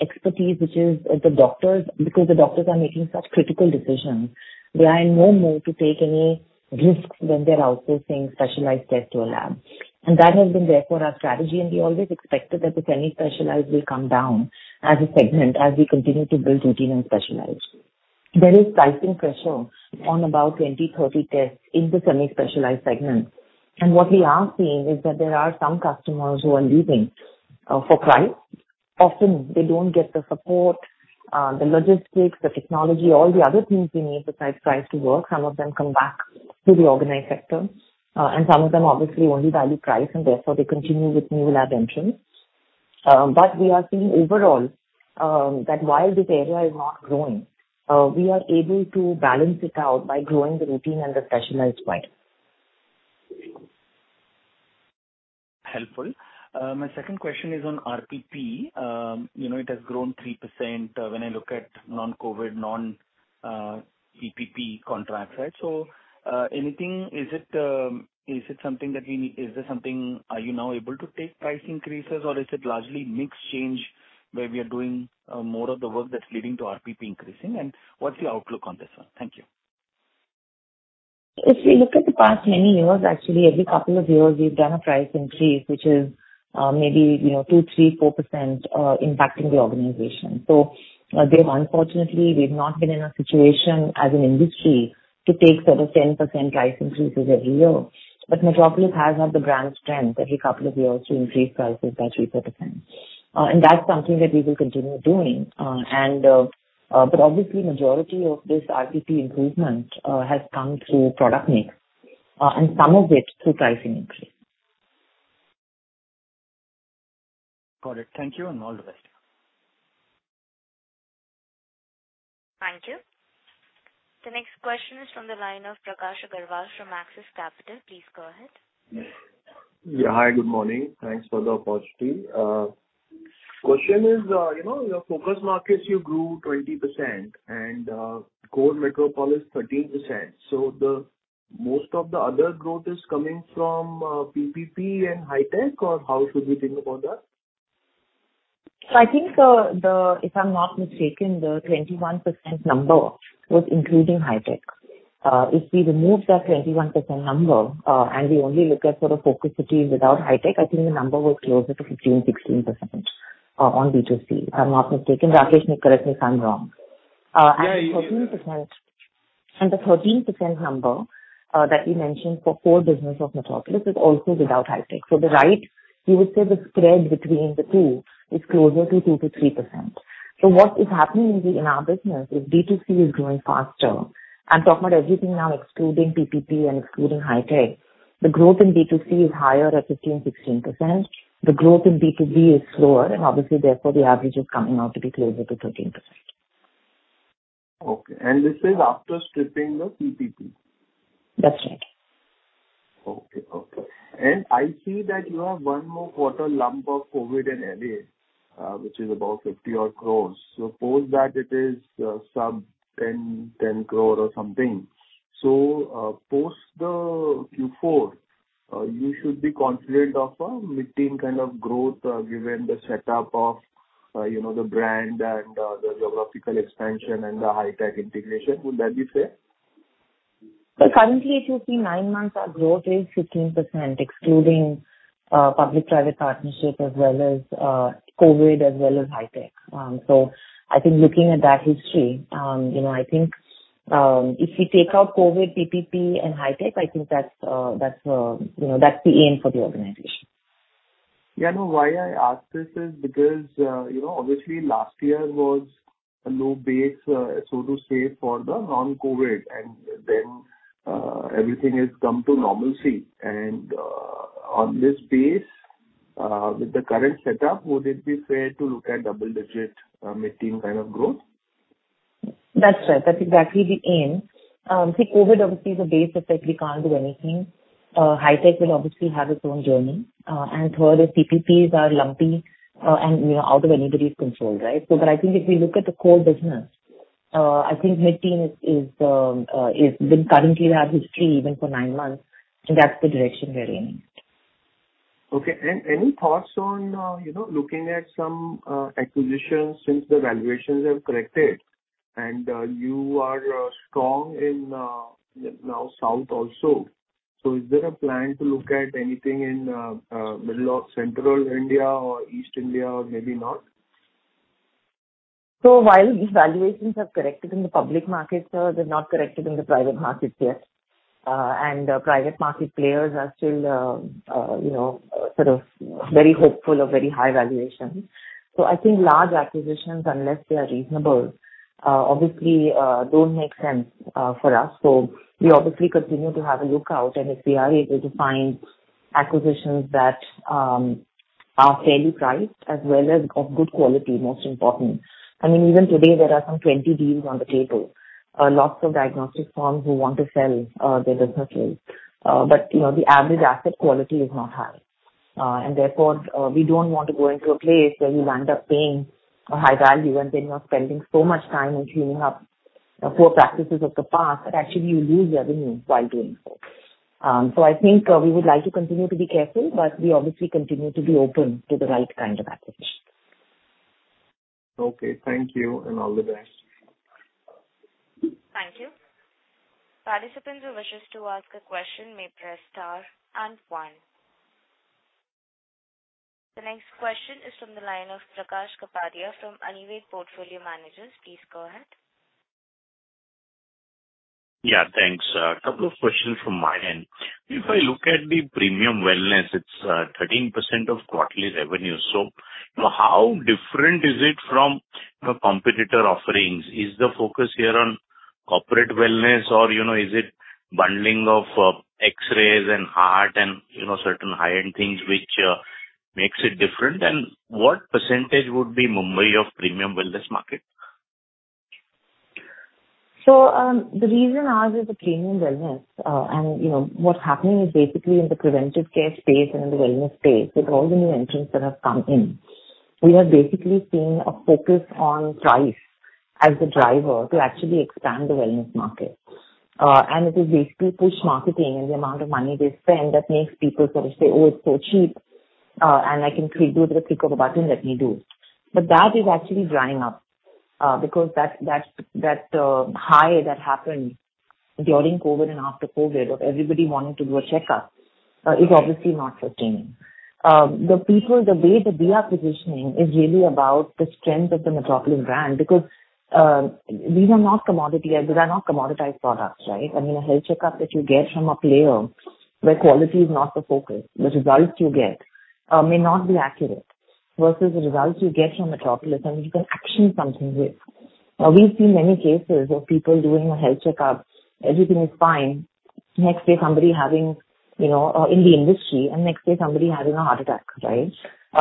expertise, which is the doctors. Because the doctors are making such critical decisions, they are no more to take any risks when they're outsourcing specialized tests to a lab. And that has been there for our strategy. And we always expected that the semi-specialized will come down as a segment as we continue to build routine and specialized. There is pricing pressure on about 20-30 tests in the semi-specialized segment. And what we are seeing is that there are some customers who are leaving for price. Often, they don't get the support, the logistics, the technology, all the other things we need besides price to work. Some of them come back to the organized sector. And some of them obviously only value price, and therefore they continue with new lab entrants. But we are seeing overall that while this area is not growing, we are able to balance it out by growing the routine and the specialized quite. Helpful. My second question is on RPP. It has grown 3% when I look at non-COVID, non-PPP contracts, right? So is it something that we need? Are you now able to take price increases, or is it largely mixed change where we are doing more of the work that's leading to RPP increasing? And what's the outlook on this one? Thank you. If we look at the past many years, actually, every couple of years, we've done a price increase, which is maybe 2%, 3%, 4% impacting the organization. So unfortunately, we've not been in a situation as an industry to take sort of 10% price increases every year. But Metropolis has had the brand strength every couple of years to increase prices by 3%, 4%. And that's something that we will continue doing. But obviously, the majority of this RPP improvement has come through product mix and some of it through pricing increase. Got it. Thank you, and all the best. Thank you. The next question is from the line of Prakash Agarwal from Axis Capital. Please go ahead. Yeah. Hi, good morning. Thanks for the opportunity. Question is, your focus markets you grew 20% and core Metropolis 13%. So most of the other growth is coming from PPP and Hitech, or how should we think about that? I think, if I'm not mistaken, the 21% number was including High-tech. If we remove that 21% number and we only look at sort of focus cities without High-tech, I think the number was closer to 15%-16% on B2C. If I'm not mistaken, Rakesh, correct me if I'm wrong. The 13% number that you mentioned for core business of Metropolis is also without High-tech. Rightly, you would say the spread between the two is closer to 2%-3%. What is happening in our business is B2C is growing faster. I'm talking about everything now, excluding PPP and excluding High-tech. The growth in B2C is higher at 15%-16%. The growth in B2B is slower, and obviously, therefore, the average is coming out to be closer to 13%. Okay. And this is after stripping the PPP? That's right. Okay. Okay. And I see that you have one more quarter lump of COVID and LA, which is about 50-odd crores. Suppose that it is sub 10 crore or something. So post the Q4, you should be confident of a mid-teens kind of growth given the setup of the brand and the geographical expansion and the Hitech integration. Would that be fair? But currently, it will be nine months. Our growth is 15%, excluding public-private partnership as well as COVID as well as Hitech. So I think looking at that history, I think if we take out COVID, PPP, and Hitech, I think that's the aim for the organization. Yeah. No, why I ask this is because obviously, last year was a low base, so to say, for the non-COVID. And then everything has come to normalcy. And on this base, with the current setup, would it be fair to look at double-digit mid-teens kind of growth? That's right. That's exactly the aim. See, COVID, obviously, is a base effect. We can't do anything. Hitech will obviously have its own journey. And third, the PPPs are lumpy and out of anybody's control, right? So I think if we look at the core business, I think mid-teens has been consistently at that trajectory even for nine months. And that's the direction we're aiming. Okay. And any thoughts on looking at some acquisitions since the valuations have corrected? And you are strong now in South also. So is there a plan to look at anything in Central India or East India or maybe not? So while these valuations have corrected in the public markets, they've not corrected in the private markets yet. And private market players are still sort of very hopeful of very high valuations. So I think large acquisitions, unless they are reasonable, obviously don't make sense for us. So we obviously continue to have a lookout. And if we are able to find acquisitions that are fairly priced as well as of good quality, most important. I mean, even today, there are some 20 deals on the table. Lots of diagnostics firms who want to sell their businesses. But the average asset quality is not high. And therefore, we don't want to go into a place where you land up paying a high value and then you're spending so much time and cleaning up poor practices of the past that actually you lose revenue while doing so. So I think we would like to continue to be careful, but we obviously continue to be open to the right kind of acquisitions. Okay. Thank you, and all the best. Thank you. Participants who wish us to ask a question may press star and one. The next question is from the line of Prakash Kapadia from Anived Portfolio Managers. Please go ahead. Yeah. Thanks. A couple of questions from my end. If I look at the premium wellness, it's 13% of quarterly revenue. So how different is it from competitor offerings? Is the focus here on corporate wellness, or is it bundling of X-rays and heart and certain high-end things which makes it different? And what percentage would be Mumbai of premium wellness market? So the reason I was at the premium wellness and what's happening is basically in the preventive care space and in the wellness space with all the new entrants that have come in, we have basically seen a focus on price as the driver to actually expand the wellness market, and it is basically push marketing and the amount of money they spend that makes people sort of say, "Oh, it's so cheap," and I can click with the click of a button, "Let me do it," but that is actually drying up because that high that happened during COVID and after COVID of everybody wanting to do a checkup is obviously not sustaining. The way the acquisition is really about the strength of the Metropolis brand because these are not commodity, these are not commoditized products, right? I mean, a health checkup that you get from a player where quality is not the focus, the results you get may not be accurate versus the results you get from Metropolis, and you can action something with. Now, we've seen many cases of people doing a health checkup. Everything is fine. Next day, somebody having an incident, and next day, somebody having a heart attack, right?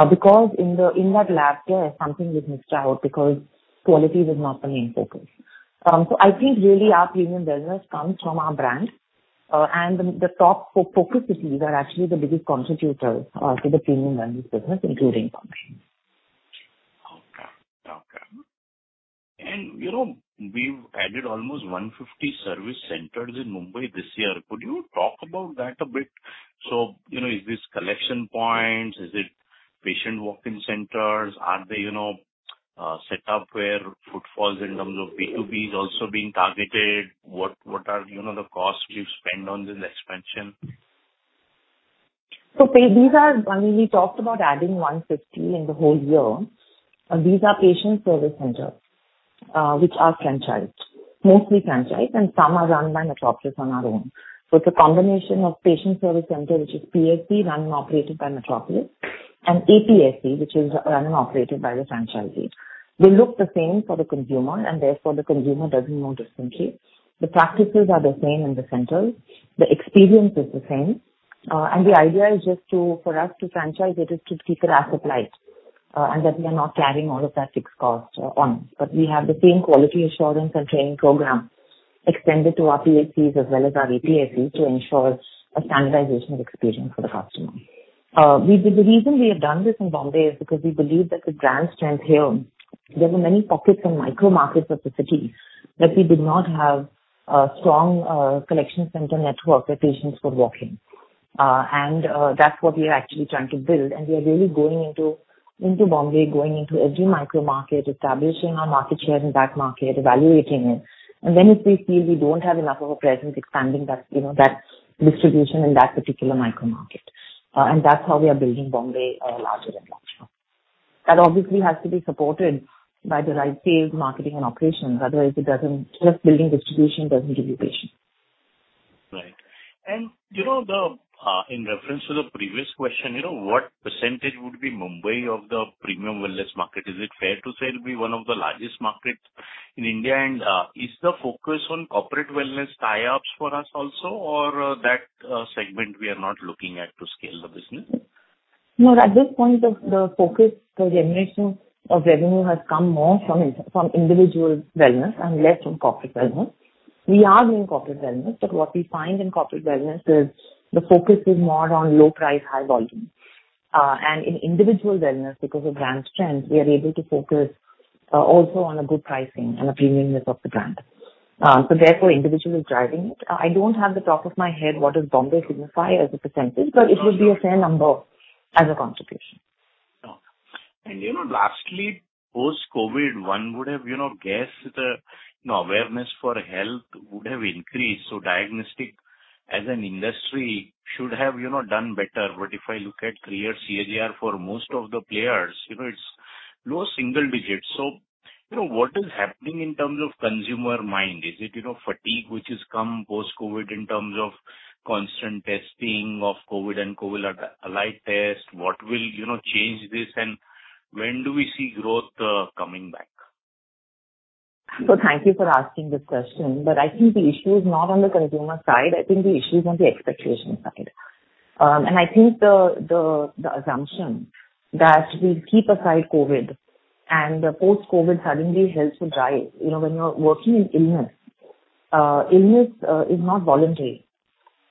Because in that lab, there's something that missed out because quality was not the main focus. So I think really our premium wellness comes from our brand. And the top focus cities are actually the biggest contributors to the premium wellness business, including Pune. Okay. And we've added almost 150 service centers in Mumbai this year. Could you talk about that a bit? So is this collection points? Is it patient walk-in centers? Are they set up where footfalls in terms of B2B is also being targeted? What are the costs you spend on this expansion? So these are. I mean, we talked about adding 150 in the whole year. These are patient service centers, which are franchised, mostly franchised, and some are run by Metropolis on our own. So it's a combination of patient service center, which is PSC, run and operated by Metropolis, and APSC, which is run and operated by the franchisee. They look the same for the consumer, and therefore the consumer doesn't know differently. The practices are the same in the centers. The experience is the same. And the idea is just for us to franchise it is to keep it as applied and that we are not carrying all of that fixed cost on. But we have the same quality assurance and training program extended to our PSCs as well as our APSCs to ensure a standardization of experience for the customer. The reason we have done this in Bombay is because we believe that the brand strength here, there were many pockets and micro markets of the city that we did not have a strong collection center network where patients could walk in. And that's what we are actually trying to build. And we are really going into Bombay, going into every micro market, establishing our market share in that market, evaluating it. And then if we feel we don't have enough of a presence, expanding that distribution in that particular micro market. And that's how we are building Bombay larger and larger. That obviously has to be supported by the right field, marketing, and operations. Otherwise, just building distribution doesn't give you patients. Right. And in reference to the previous question, what percentage would be Mumbai of the premium wellness market? Is it fair to say it would be one of the largest markets in India? And is the focus on corporate wellness tie-ups for us also, or that segment we are not looking at to scale the business? No, at this point, the focus, the generation of revenue has come more from individual wellness and less from corporate wellness. We are doing corporate wellness, but what we find in corporate wellness is the focus is more on low price, high volume. And in individual wellness, because of brand strength, we are able to focus also on a good pricing and a premiumness of the brand. So therefore, individual is driving it. I don't have it off the top of my head what does Mumbai signify as a percentage, but it would be a fair number as a contribution. And lastly, post-COVID, one would have guessed the awareness for health would have increased. So diagnostics as an industry should have done better. But if I look at sector CAGR for most of the players, it's low single digits. So what is happening in terms of consumer mindset? Is it fatigue which has come post-COVID in terms of constant testing of COVID and COVID-like tests? What will change this? And when do we see growth coming back? Thank you for asking this question. I think the issue is not on the consumer side. I think the issue is on the expectation side. I think the assumption that we keep aside COVID and post-COVID suddenly health will drive. When you're working in illness, illness is not voluntary.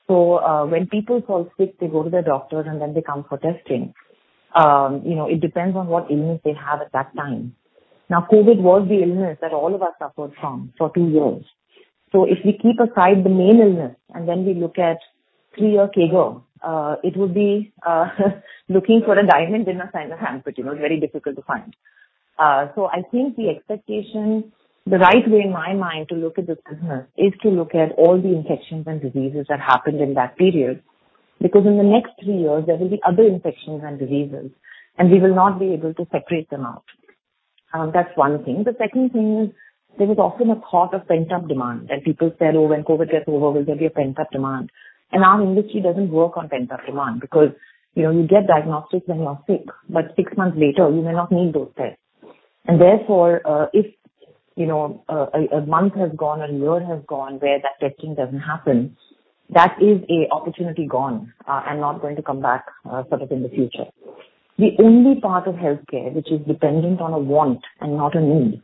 When people fall sick, they go to their doctor, and then they come for testing. It depends on what illness they have at that time. Now, COVID was the illness that all of us suffered from for two years. If we keep aside the main illness and then we look at three-year CAGR, it would be looking for a needle in a haystack, but it's very difficult to find. So I think the expectation, the right way in my mind to look at this business is to look at all the infections and diseases that happened in that period because in the next three years, there will be other infections and diseases, and we will not be able to separate them out. That's one thing. The second thing is there is often a thought of pent-up demand that people said, "Oh, when COVID gets over, will there be a pent-up demand?" And our industry doesn't work on pent-up demand because you get diagnostics when you're sick, but six months later, you may not need those tests. And therefore, if a month has gone, a year has gone where that testing doesn't happen, that is an opportunity gone and not going to come back sort of in the future. The only part of healthcare which is dependent on a want and not a need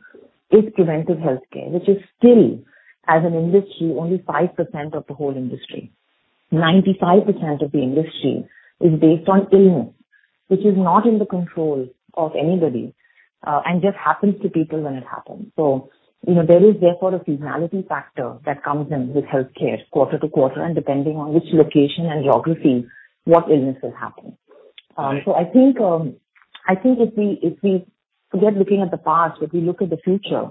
is preventive healthcare, which is still, as an industry, only 5% of the whole industry. 95% of the industry is based on illness, which is not in the control of anybody and just happens to people when it happens. So there is therefore a seasonality factor that comes in with healthcare quarter to quarter, and depending on which location and geography, what illness will happen. So I think if we forget looking at the past, if we look at the future,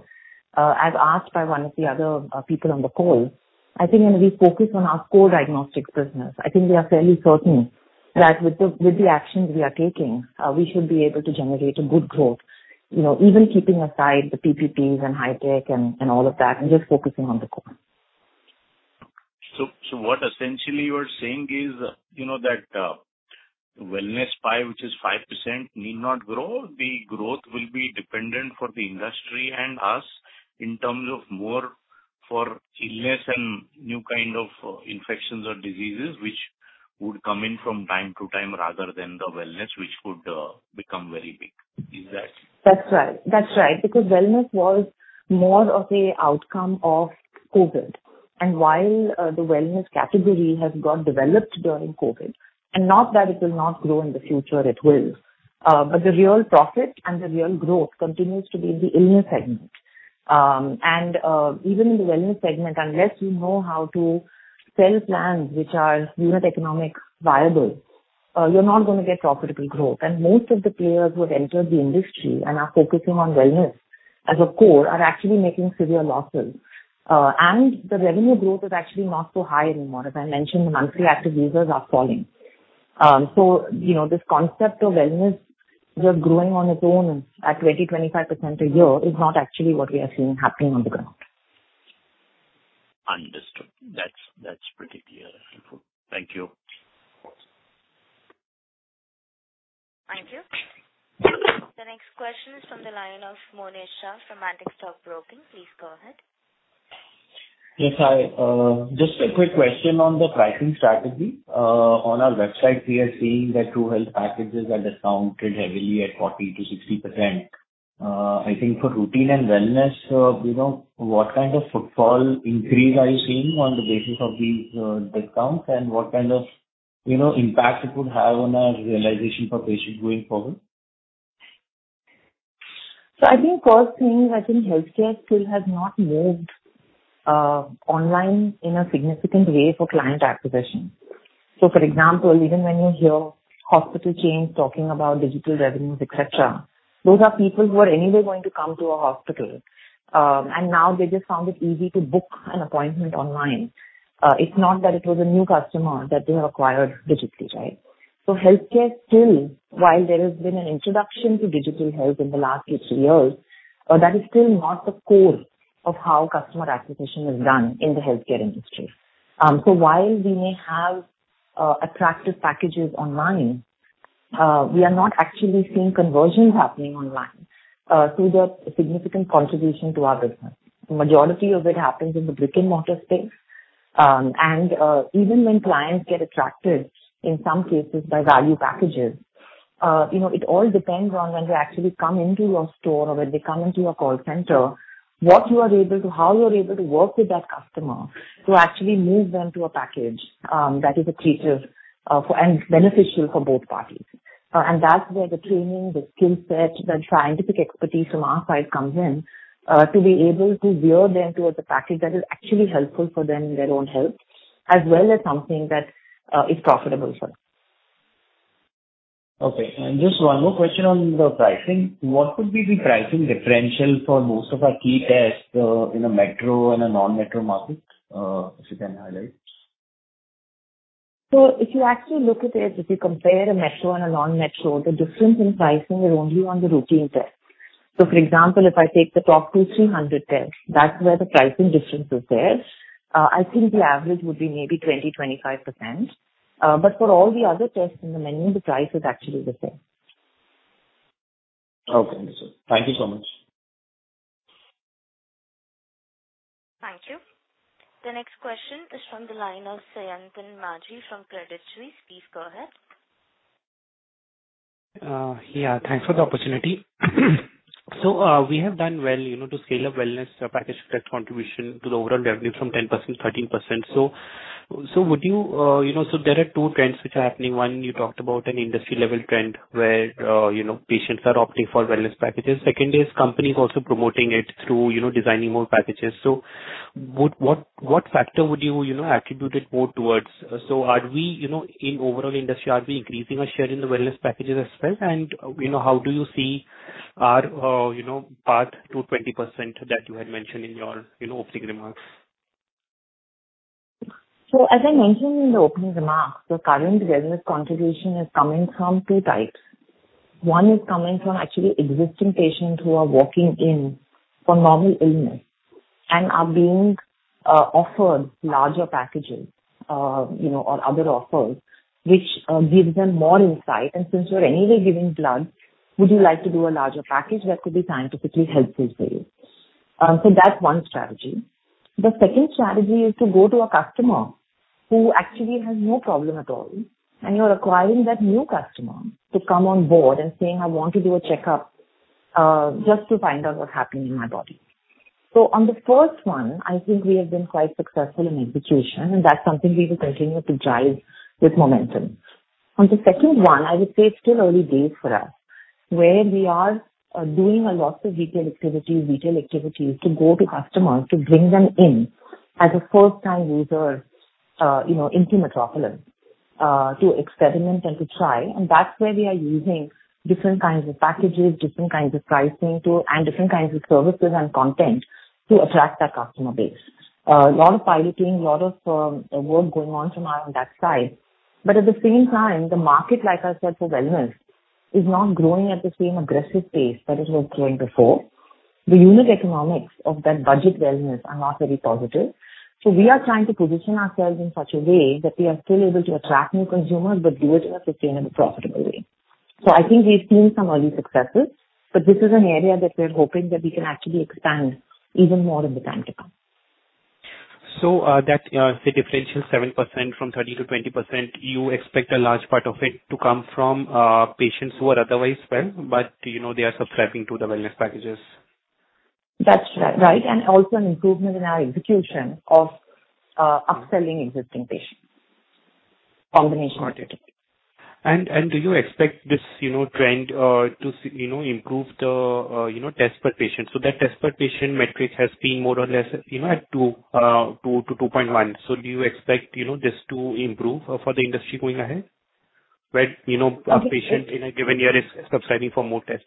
as asked by one of the other people on the call, I think we focus on our core diagnostics business. I think we are fairly certain that with the actions we are taking, we should be able to generate a good growth, even keeping aside the PPPs and High-tech and all of that and just focusing on the core. So what essentially you are saying is that wellness pie, which is 5%, need not grow. The growth will be dependent for the industry and us in terms of more for illness and new kind of infections or diseases which would come in from time to time rather than the wellness, which could become very big. Is that? That's right. That's right. Because wellness was more of the outcome of COVID. And while the wellness category has got developed during COVID, and not that it will not grow in the future, it will. But the real profit and the real growth continues to be in the illness segment. And even in the wellness segment, unless you know how to sell plans which are unit economic viable, you're not going to get profitable growth. And most of the players who have entered the industry and are focusing on wellness as a core are actually making severe losses. And the revenue growth is actually not so high anymore. As I mentioned, the monthly active users are falling. So this concept of wellness just growing on its own at 20%-25% a year is not actually what we are seeing happening on the ground. Understood. That's pretty clear. Thank you. Thank you. The next question is from the line of Monish Shah from Antique Stock Broking. Please go ahead. Yes, hi. Just a quick question on the pricing strategy. On our website, we are seeing that True Health packages are discounted heavily at 40%-60%. I think for routine and wellness, what kind of footfall increase are you seeing on the basis of these discounts? And what kind of impact it would have on our realization for patients going forward? So I think first thing, I think healthcare still has not moved online in a significant way for client acquisition. So for example, even when you hear hospital chains talking about digital revenues, etc., those are people who are anyway going to come to a hospital. And now they just found it easy to book an appointment online. It's not that it was a new customer that they have acquired digitally, right? So healthcare still, while there has been an introduction to digital health in the last two, three years, that is still not the core of how customer acquisition is done in the healthcare industry. So while we may have attractive packages online, we are not actually seeing conversions happening online through the significant contribution to our business. The majority of it happens in the brick-and-mortar space. Even when clients get attracted in some cases by value packages, it all depends on when they actually come into your store or when they come into your call center, what you're able to work with that customer to actually move them to a package that is effective and beneficial for both parties. That's where the training, the skill set, the scientific expertise from our side comes in to be able to veer them towards a package that is actually helpful for them in their own health, as well as something that is profitable for them. Okay. And just one more question on the pricing. What would be the pricing differential for most of our key tests in a metro and a non-metro market, if you can highlight? So if you actually look at it, if you compare a metro and a non-metro, the difference in pricing is only on the routine test. So for example, if I take the top 200-300 tests, that's where the pricing difference is there. I think the average would be maybe 20%-25%. But for all the other tests in the menu, the price is actually the same. Okay. Thank you so much. Thank you. The next question is from the line of Sayantan Maji from Credit Suisse. Please go ahead. Yeah. Thanks for the opportunity. So we have done well to scale a wellness package contribution to the overall revenue from 10%-13%. So would you say there are two trends which are happening. One, you talked about an industry-level trend where patients are opting for wellness packages. Second is companies also promoting it through designing more packages. So what factor would you attribute it more towards? So are we in overall industry, are we increasing our share in the wellness packages as well? And how do you see our path to 20% that you had mentioned in your opening remarks? So as I mentioned in the opening remarks, the current wellness contribution is coming from two types. One is coming from actually existing patients who are walking in for normal illness and are being offered larger packages or other offers, which gives them more insight. And since you're anyway giving blood, would you like to do a larger package that could be scientifically helpful for you? So that's one strategy. The second strategy is to go to a customer who actually has no problem at all, and you're acquiring that new customer to come on board and saying, "I want to do a checkup just to find out what's happening in my body." So on the first one, I think we have been quite successful in execution, and that's something we will continue to drive with momentum. On the second one, I would say it's still early days for us, where we are doing a lot of retail activities, retail activities to go to customers to bring them in as a first-time user into Metropolis to experiment and to try. And that's where we are using different kinds of packages, different kinds of pricing, and different kinds of services and content to attract that customer base. A lot of piloting, a lot of work going on from our own back side. But at the same time, the market, like I said, for wellness is not growing at the same aggressive pace that it was growing before. The unit economics of that budget wellness are not very positive. So we are trying to position ourselves in such a way that we are still able to attract new consumers, but do it in a sustainable, profitable way. So I think we've seen some early successes, but this is an area that we're hoping that we can actually expand even more in the time to come. So that differential 7% from 30% to 20%, you expect a large part of it to come from patients who are otherwise well, but they are subscribing to the wellness packages? That's right, and also an improvement in our execution of upselling existing patients, combination of the two. And do you expect this trend to improve the test per patient? So that test per patient metric has been more or less at 2 to 2.1. So do you expect this to improve for the industry going ahead? Yes. Whether a patient in a given year is subscribing for more tests?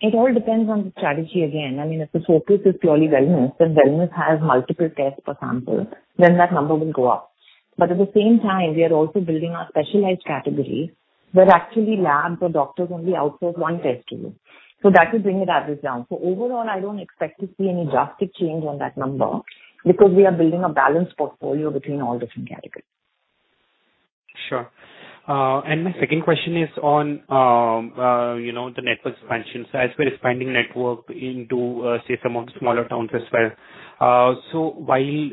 It all depends on the strategy again. I mean, if the focus is purely wellness and wellness has multiple tests per sample, then that number will go up. But at the same time, we are also building our specialized category where actually labs or doctors only outsource one test to you. So that will bring the average down. So overall, I don't expect to see any drastic change on that number because we are building a balanced portfolio between all different categories. Sure, and my second question is on the network expansion, so as we're expanding network into, say, some of the smaller towns as well, so while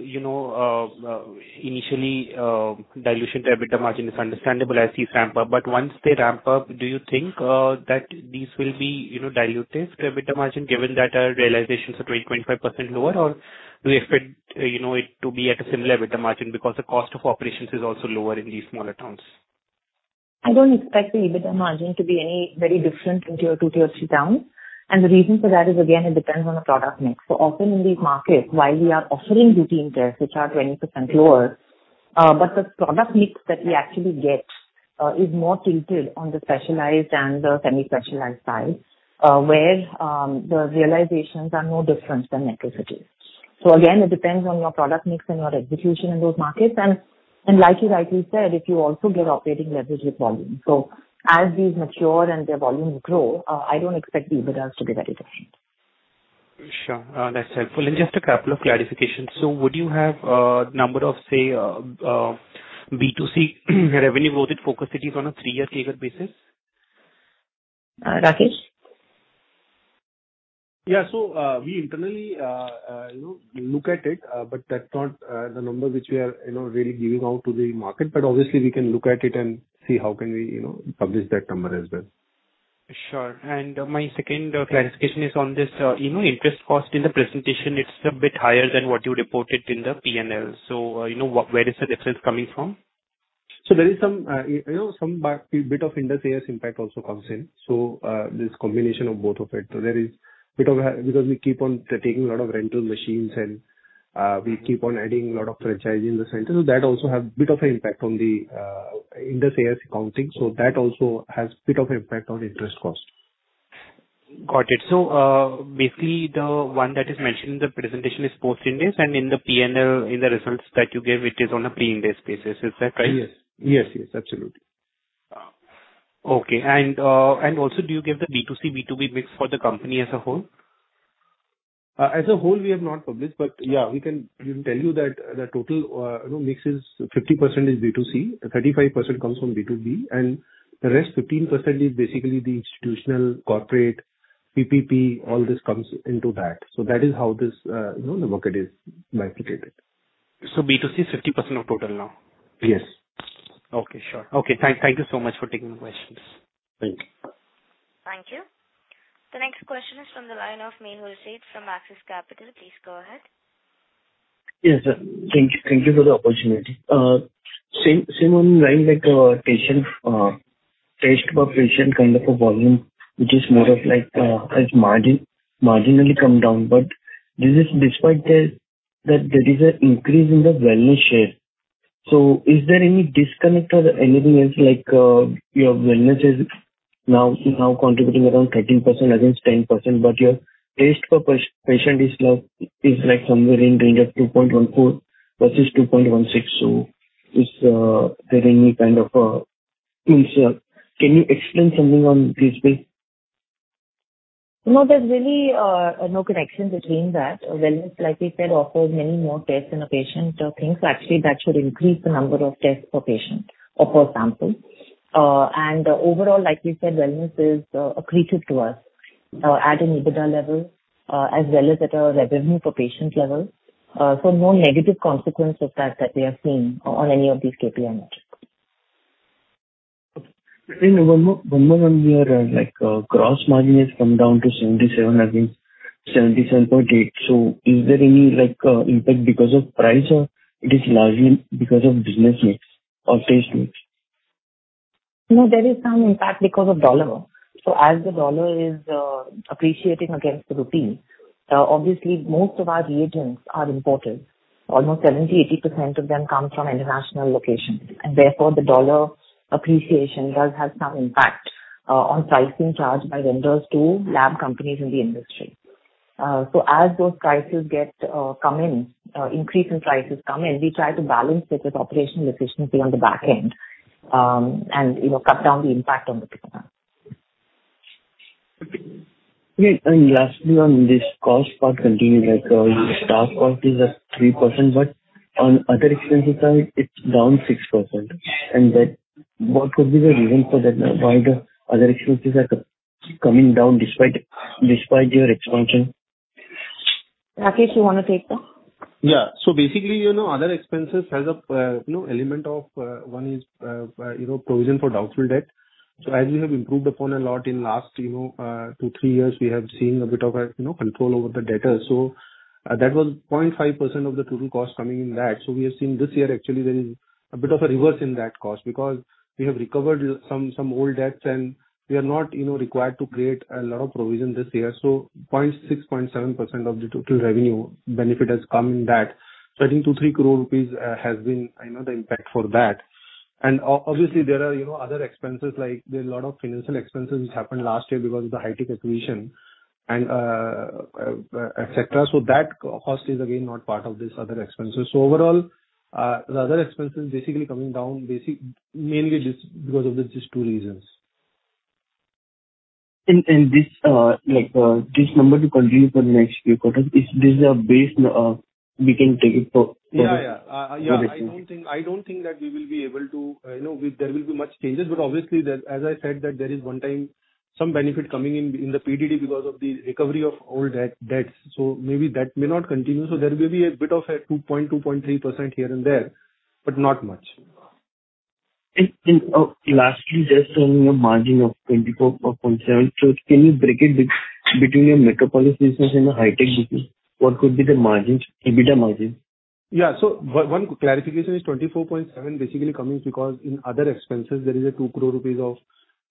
initially dilution to EBITDA margin is understandable as these ramp up, but once they ramp up, do you think that these will be diluted to EBITDA margin given that our realizations are 20%-25% lower, or do you expect it to be at a similar EBITDA margin because the cost of operations is also lower in these smaller towns? I don't expect the EBITDA margin to be any very different in tier two, tier three towns. And the reason for that is, again, it depends on the product mix. So often in these markets, while we are offering routine tests, which are 20% lower, but the product mix that we actually get is more tilted on the specialized and the semi-specialized side where the realizations are no different than metro cities. So again, it depends on your product mix and your execution in those markets. And like you rightly said, if you also get operating leverage with volume. So as these mature and their volumes grow, I don't expect the EBITDAs to be very different. Sure. That's helpful. And just a couple of clarifications. So would you have a number of, say, B2C revenue within focus cities on a three-year table basis? Rakesh? Yeah. So we internally look at it, but that's not the number which we are really giving out to the market. But obviously, we can look at it and see how can we publish that number as well. Sure. And my second clarification is on this interest cost in the presentation. It's a bit higher than what you reported in the P&L. So where is the difference coming from? So there is some bit of Ind AS impact also comes in. So there's combination of both of it. So there is a bit of because we keep on taking a lot of rental machines and we keep on adding a lot of franchise in the center. So that also has a bit of an impact on the Ind AS accounting. So that also has a bit of an impact on interest cost. Got it. So basically, the one that is mentioned in the presentation is post-Ind AS, and in the P&L, in the results that you gave, it is on a pre-Ind AS basis. Is that right? Yes. Yes, yes. Absolutely. Okay. And also, do you give the B2C, B2B mix for the company as a whole? As a whole, we have not published, but yeah, we can tell you that the total mix is 50% is B2C, 35% comes from B2B, and the rest 15% is basically the institutional, corporate, PPP, all this comes into that. So that is how this market is bifurcated. So B2C is 50% of total now? Yes. Okay. Sure. Okay. Thank you so much for taking the questions. Thank you. Thank you. The next question is from the line of Main Wholesale from Axis Capital. Please go ahead. Yes, sir. Thank you for the opportunity. Same online patient test per patient kind of a volume, which is more of like marginally come down. But this is despite that there is an increase in the wellness share. So, is there any disconnect or anything else like your wellness is now contributing around 13% against 10%, but your test per patient is like somewhere in range of 2.14 versus 2.16. So, is there any kind of can you explain something on this? No, there's really no connection between that. Wellness, like you said, offers many more tests than a patient thinks. Actually, that should increase the number of tests per patient or per sample. And overall, like you said, wellness is accretive to us at an EBITDA level as well as at a revenue per patient level. So no negative consequence of that that we have seen on any of these KPI metrics. One more one, we are like gross margin has come down to 77%, I think 77.8%. So, is there any impact because of price or is it largely because of business mix or test mix? No, there is some impact because of the dollar. So as the dollar is appreciating against the rupee, obviously, most of our reagents are imported. Almost 70%-80% of them come from international locations. And therefore, the dollar appreciation does have some impact on pricing charged by vendors to lab companies in the industry. So as those prices come in, increase in prices come in, we try to balance it with operational efficiency on the back end and cut down the impact on the people. Lastly, on this cost part, continuing like stock quantities at 3%, but on other expenses side, it's down 6%. What could be the reason for that? Why the other expenses are coming down despite your expansion? Rakesh, you want to take that? Yeah. So basically, other expenses has an element of one is provision for doubtful debt. So as we have improved upon a lot in last two, three years, we have seen a bit of control over the debtor. So that was 0.5% of the total cost coming in that. So we have seen this year, actually, there is a bit of a reverse in that cost because we have recovered some old debts, and we are not required to create a lot of provision this year. So 0.6%-0.7% of the total revenue benefit has come in that. So I think 2-3 crore rupees has been the impact for that. And obviously, there are other expenses like there are a lot of financial expenses which happened last year because of the Hitech acquisition, etc. So that cost is again not part of these other expenses. So overall, the other expenses basically coming down mainly because of these two reasons. And this number to continue for the next few quarters, is this a base we can take it for? Yeah, yeah. For the next few. I don't think that there will be much changes, but obviously, as I said, that there is one-time some benefit coming in the PDD because of the recovery of old debts. So maybe that may not continue. So there may be a bit of a 2.2%-2.3% here and there, but not much. Lastly, just on your margin of 24.7%, so can you break it between your Metropolis business and the Hitech business? What could be the margins, EBITDA margins? Yeah. So one clarification is 24.7 basically coming because in other expenses, there is a 2 crore rupees of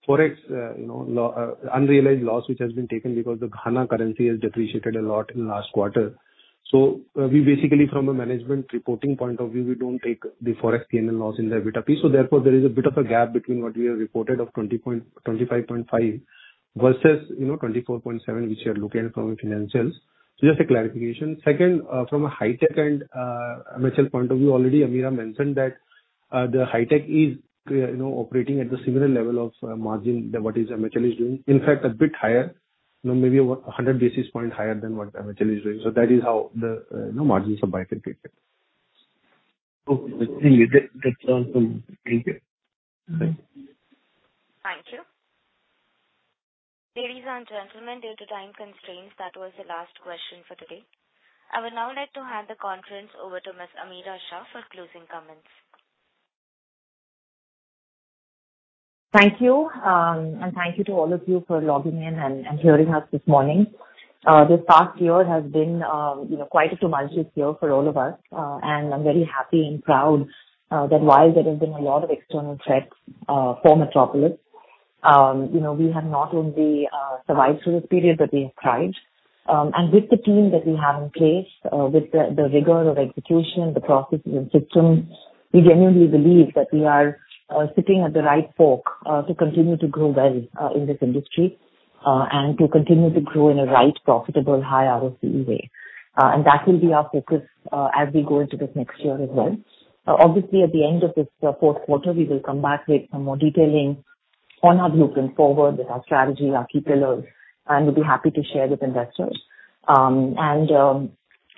Forex unrealized loss which has been taken because the Kenya currency has depreciated a lot in last quarter. So we basically, from a management reporting point of view, we don't take the Forex P&L loss in the EBITDA piece. So therefore, there is a bit of a gap between what we have reported of 25.5 versus 24.7, which we are looking at from a financials. So just a clarification. Second, from a high-tech and MHL point of view, already Ameera mentioned that the high-tech is operating at the similar level of margin than what MHL is doing. In fact, a bit higher, maybe 100 basis points higher than what MHL is doing. So that is how the margins of buy can be taken. Okay. Thank you. Thank you. Ladies and gentlemen, due to time constraints, that was the last question for today. I would now like to hand the conference over to Ms. Ameera Shah for closing comments. Thank you. And thank you to all of you for logging in and hearing us this morning. This past year has been quite a tumultuous year for all of us. And I'm very happy and proud that while there have been a lot of external threats for Metropolis, we have not only survived through this period, but we have tried. And with the team that we have in place, with the rigor of execution, the processes, and systems, we genuinely believe that we are sitting at the right fork to continue to grow well in this industry and to continue to grow in a right, profitable, high ROCE way. And that will be our focus as we go into this next year as well. Obviously, at the end of this fourth quarter, we will come back with some more detailing on our blueprint forward with our strategy, our key pillars, and we'll be happy to share with investors, and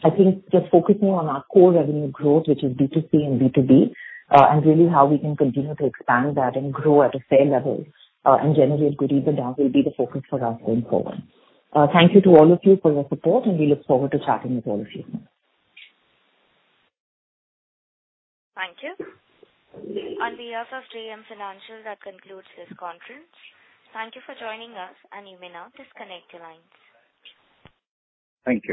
I think just focusing on our core revenue growth, which is B2C and B2B, and really how we can continue to expand that and grow at a fair level and generate good EBITDA will be the focus for us going forward. Thank you to all of you for your support, and we look forward to chatting with all of you. Thank you. On behalf of JM Financial, that concludes this conference. Thank you for joining us, and you may now disconnect your lines. Thank you.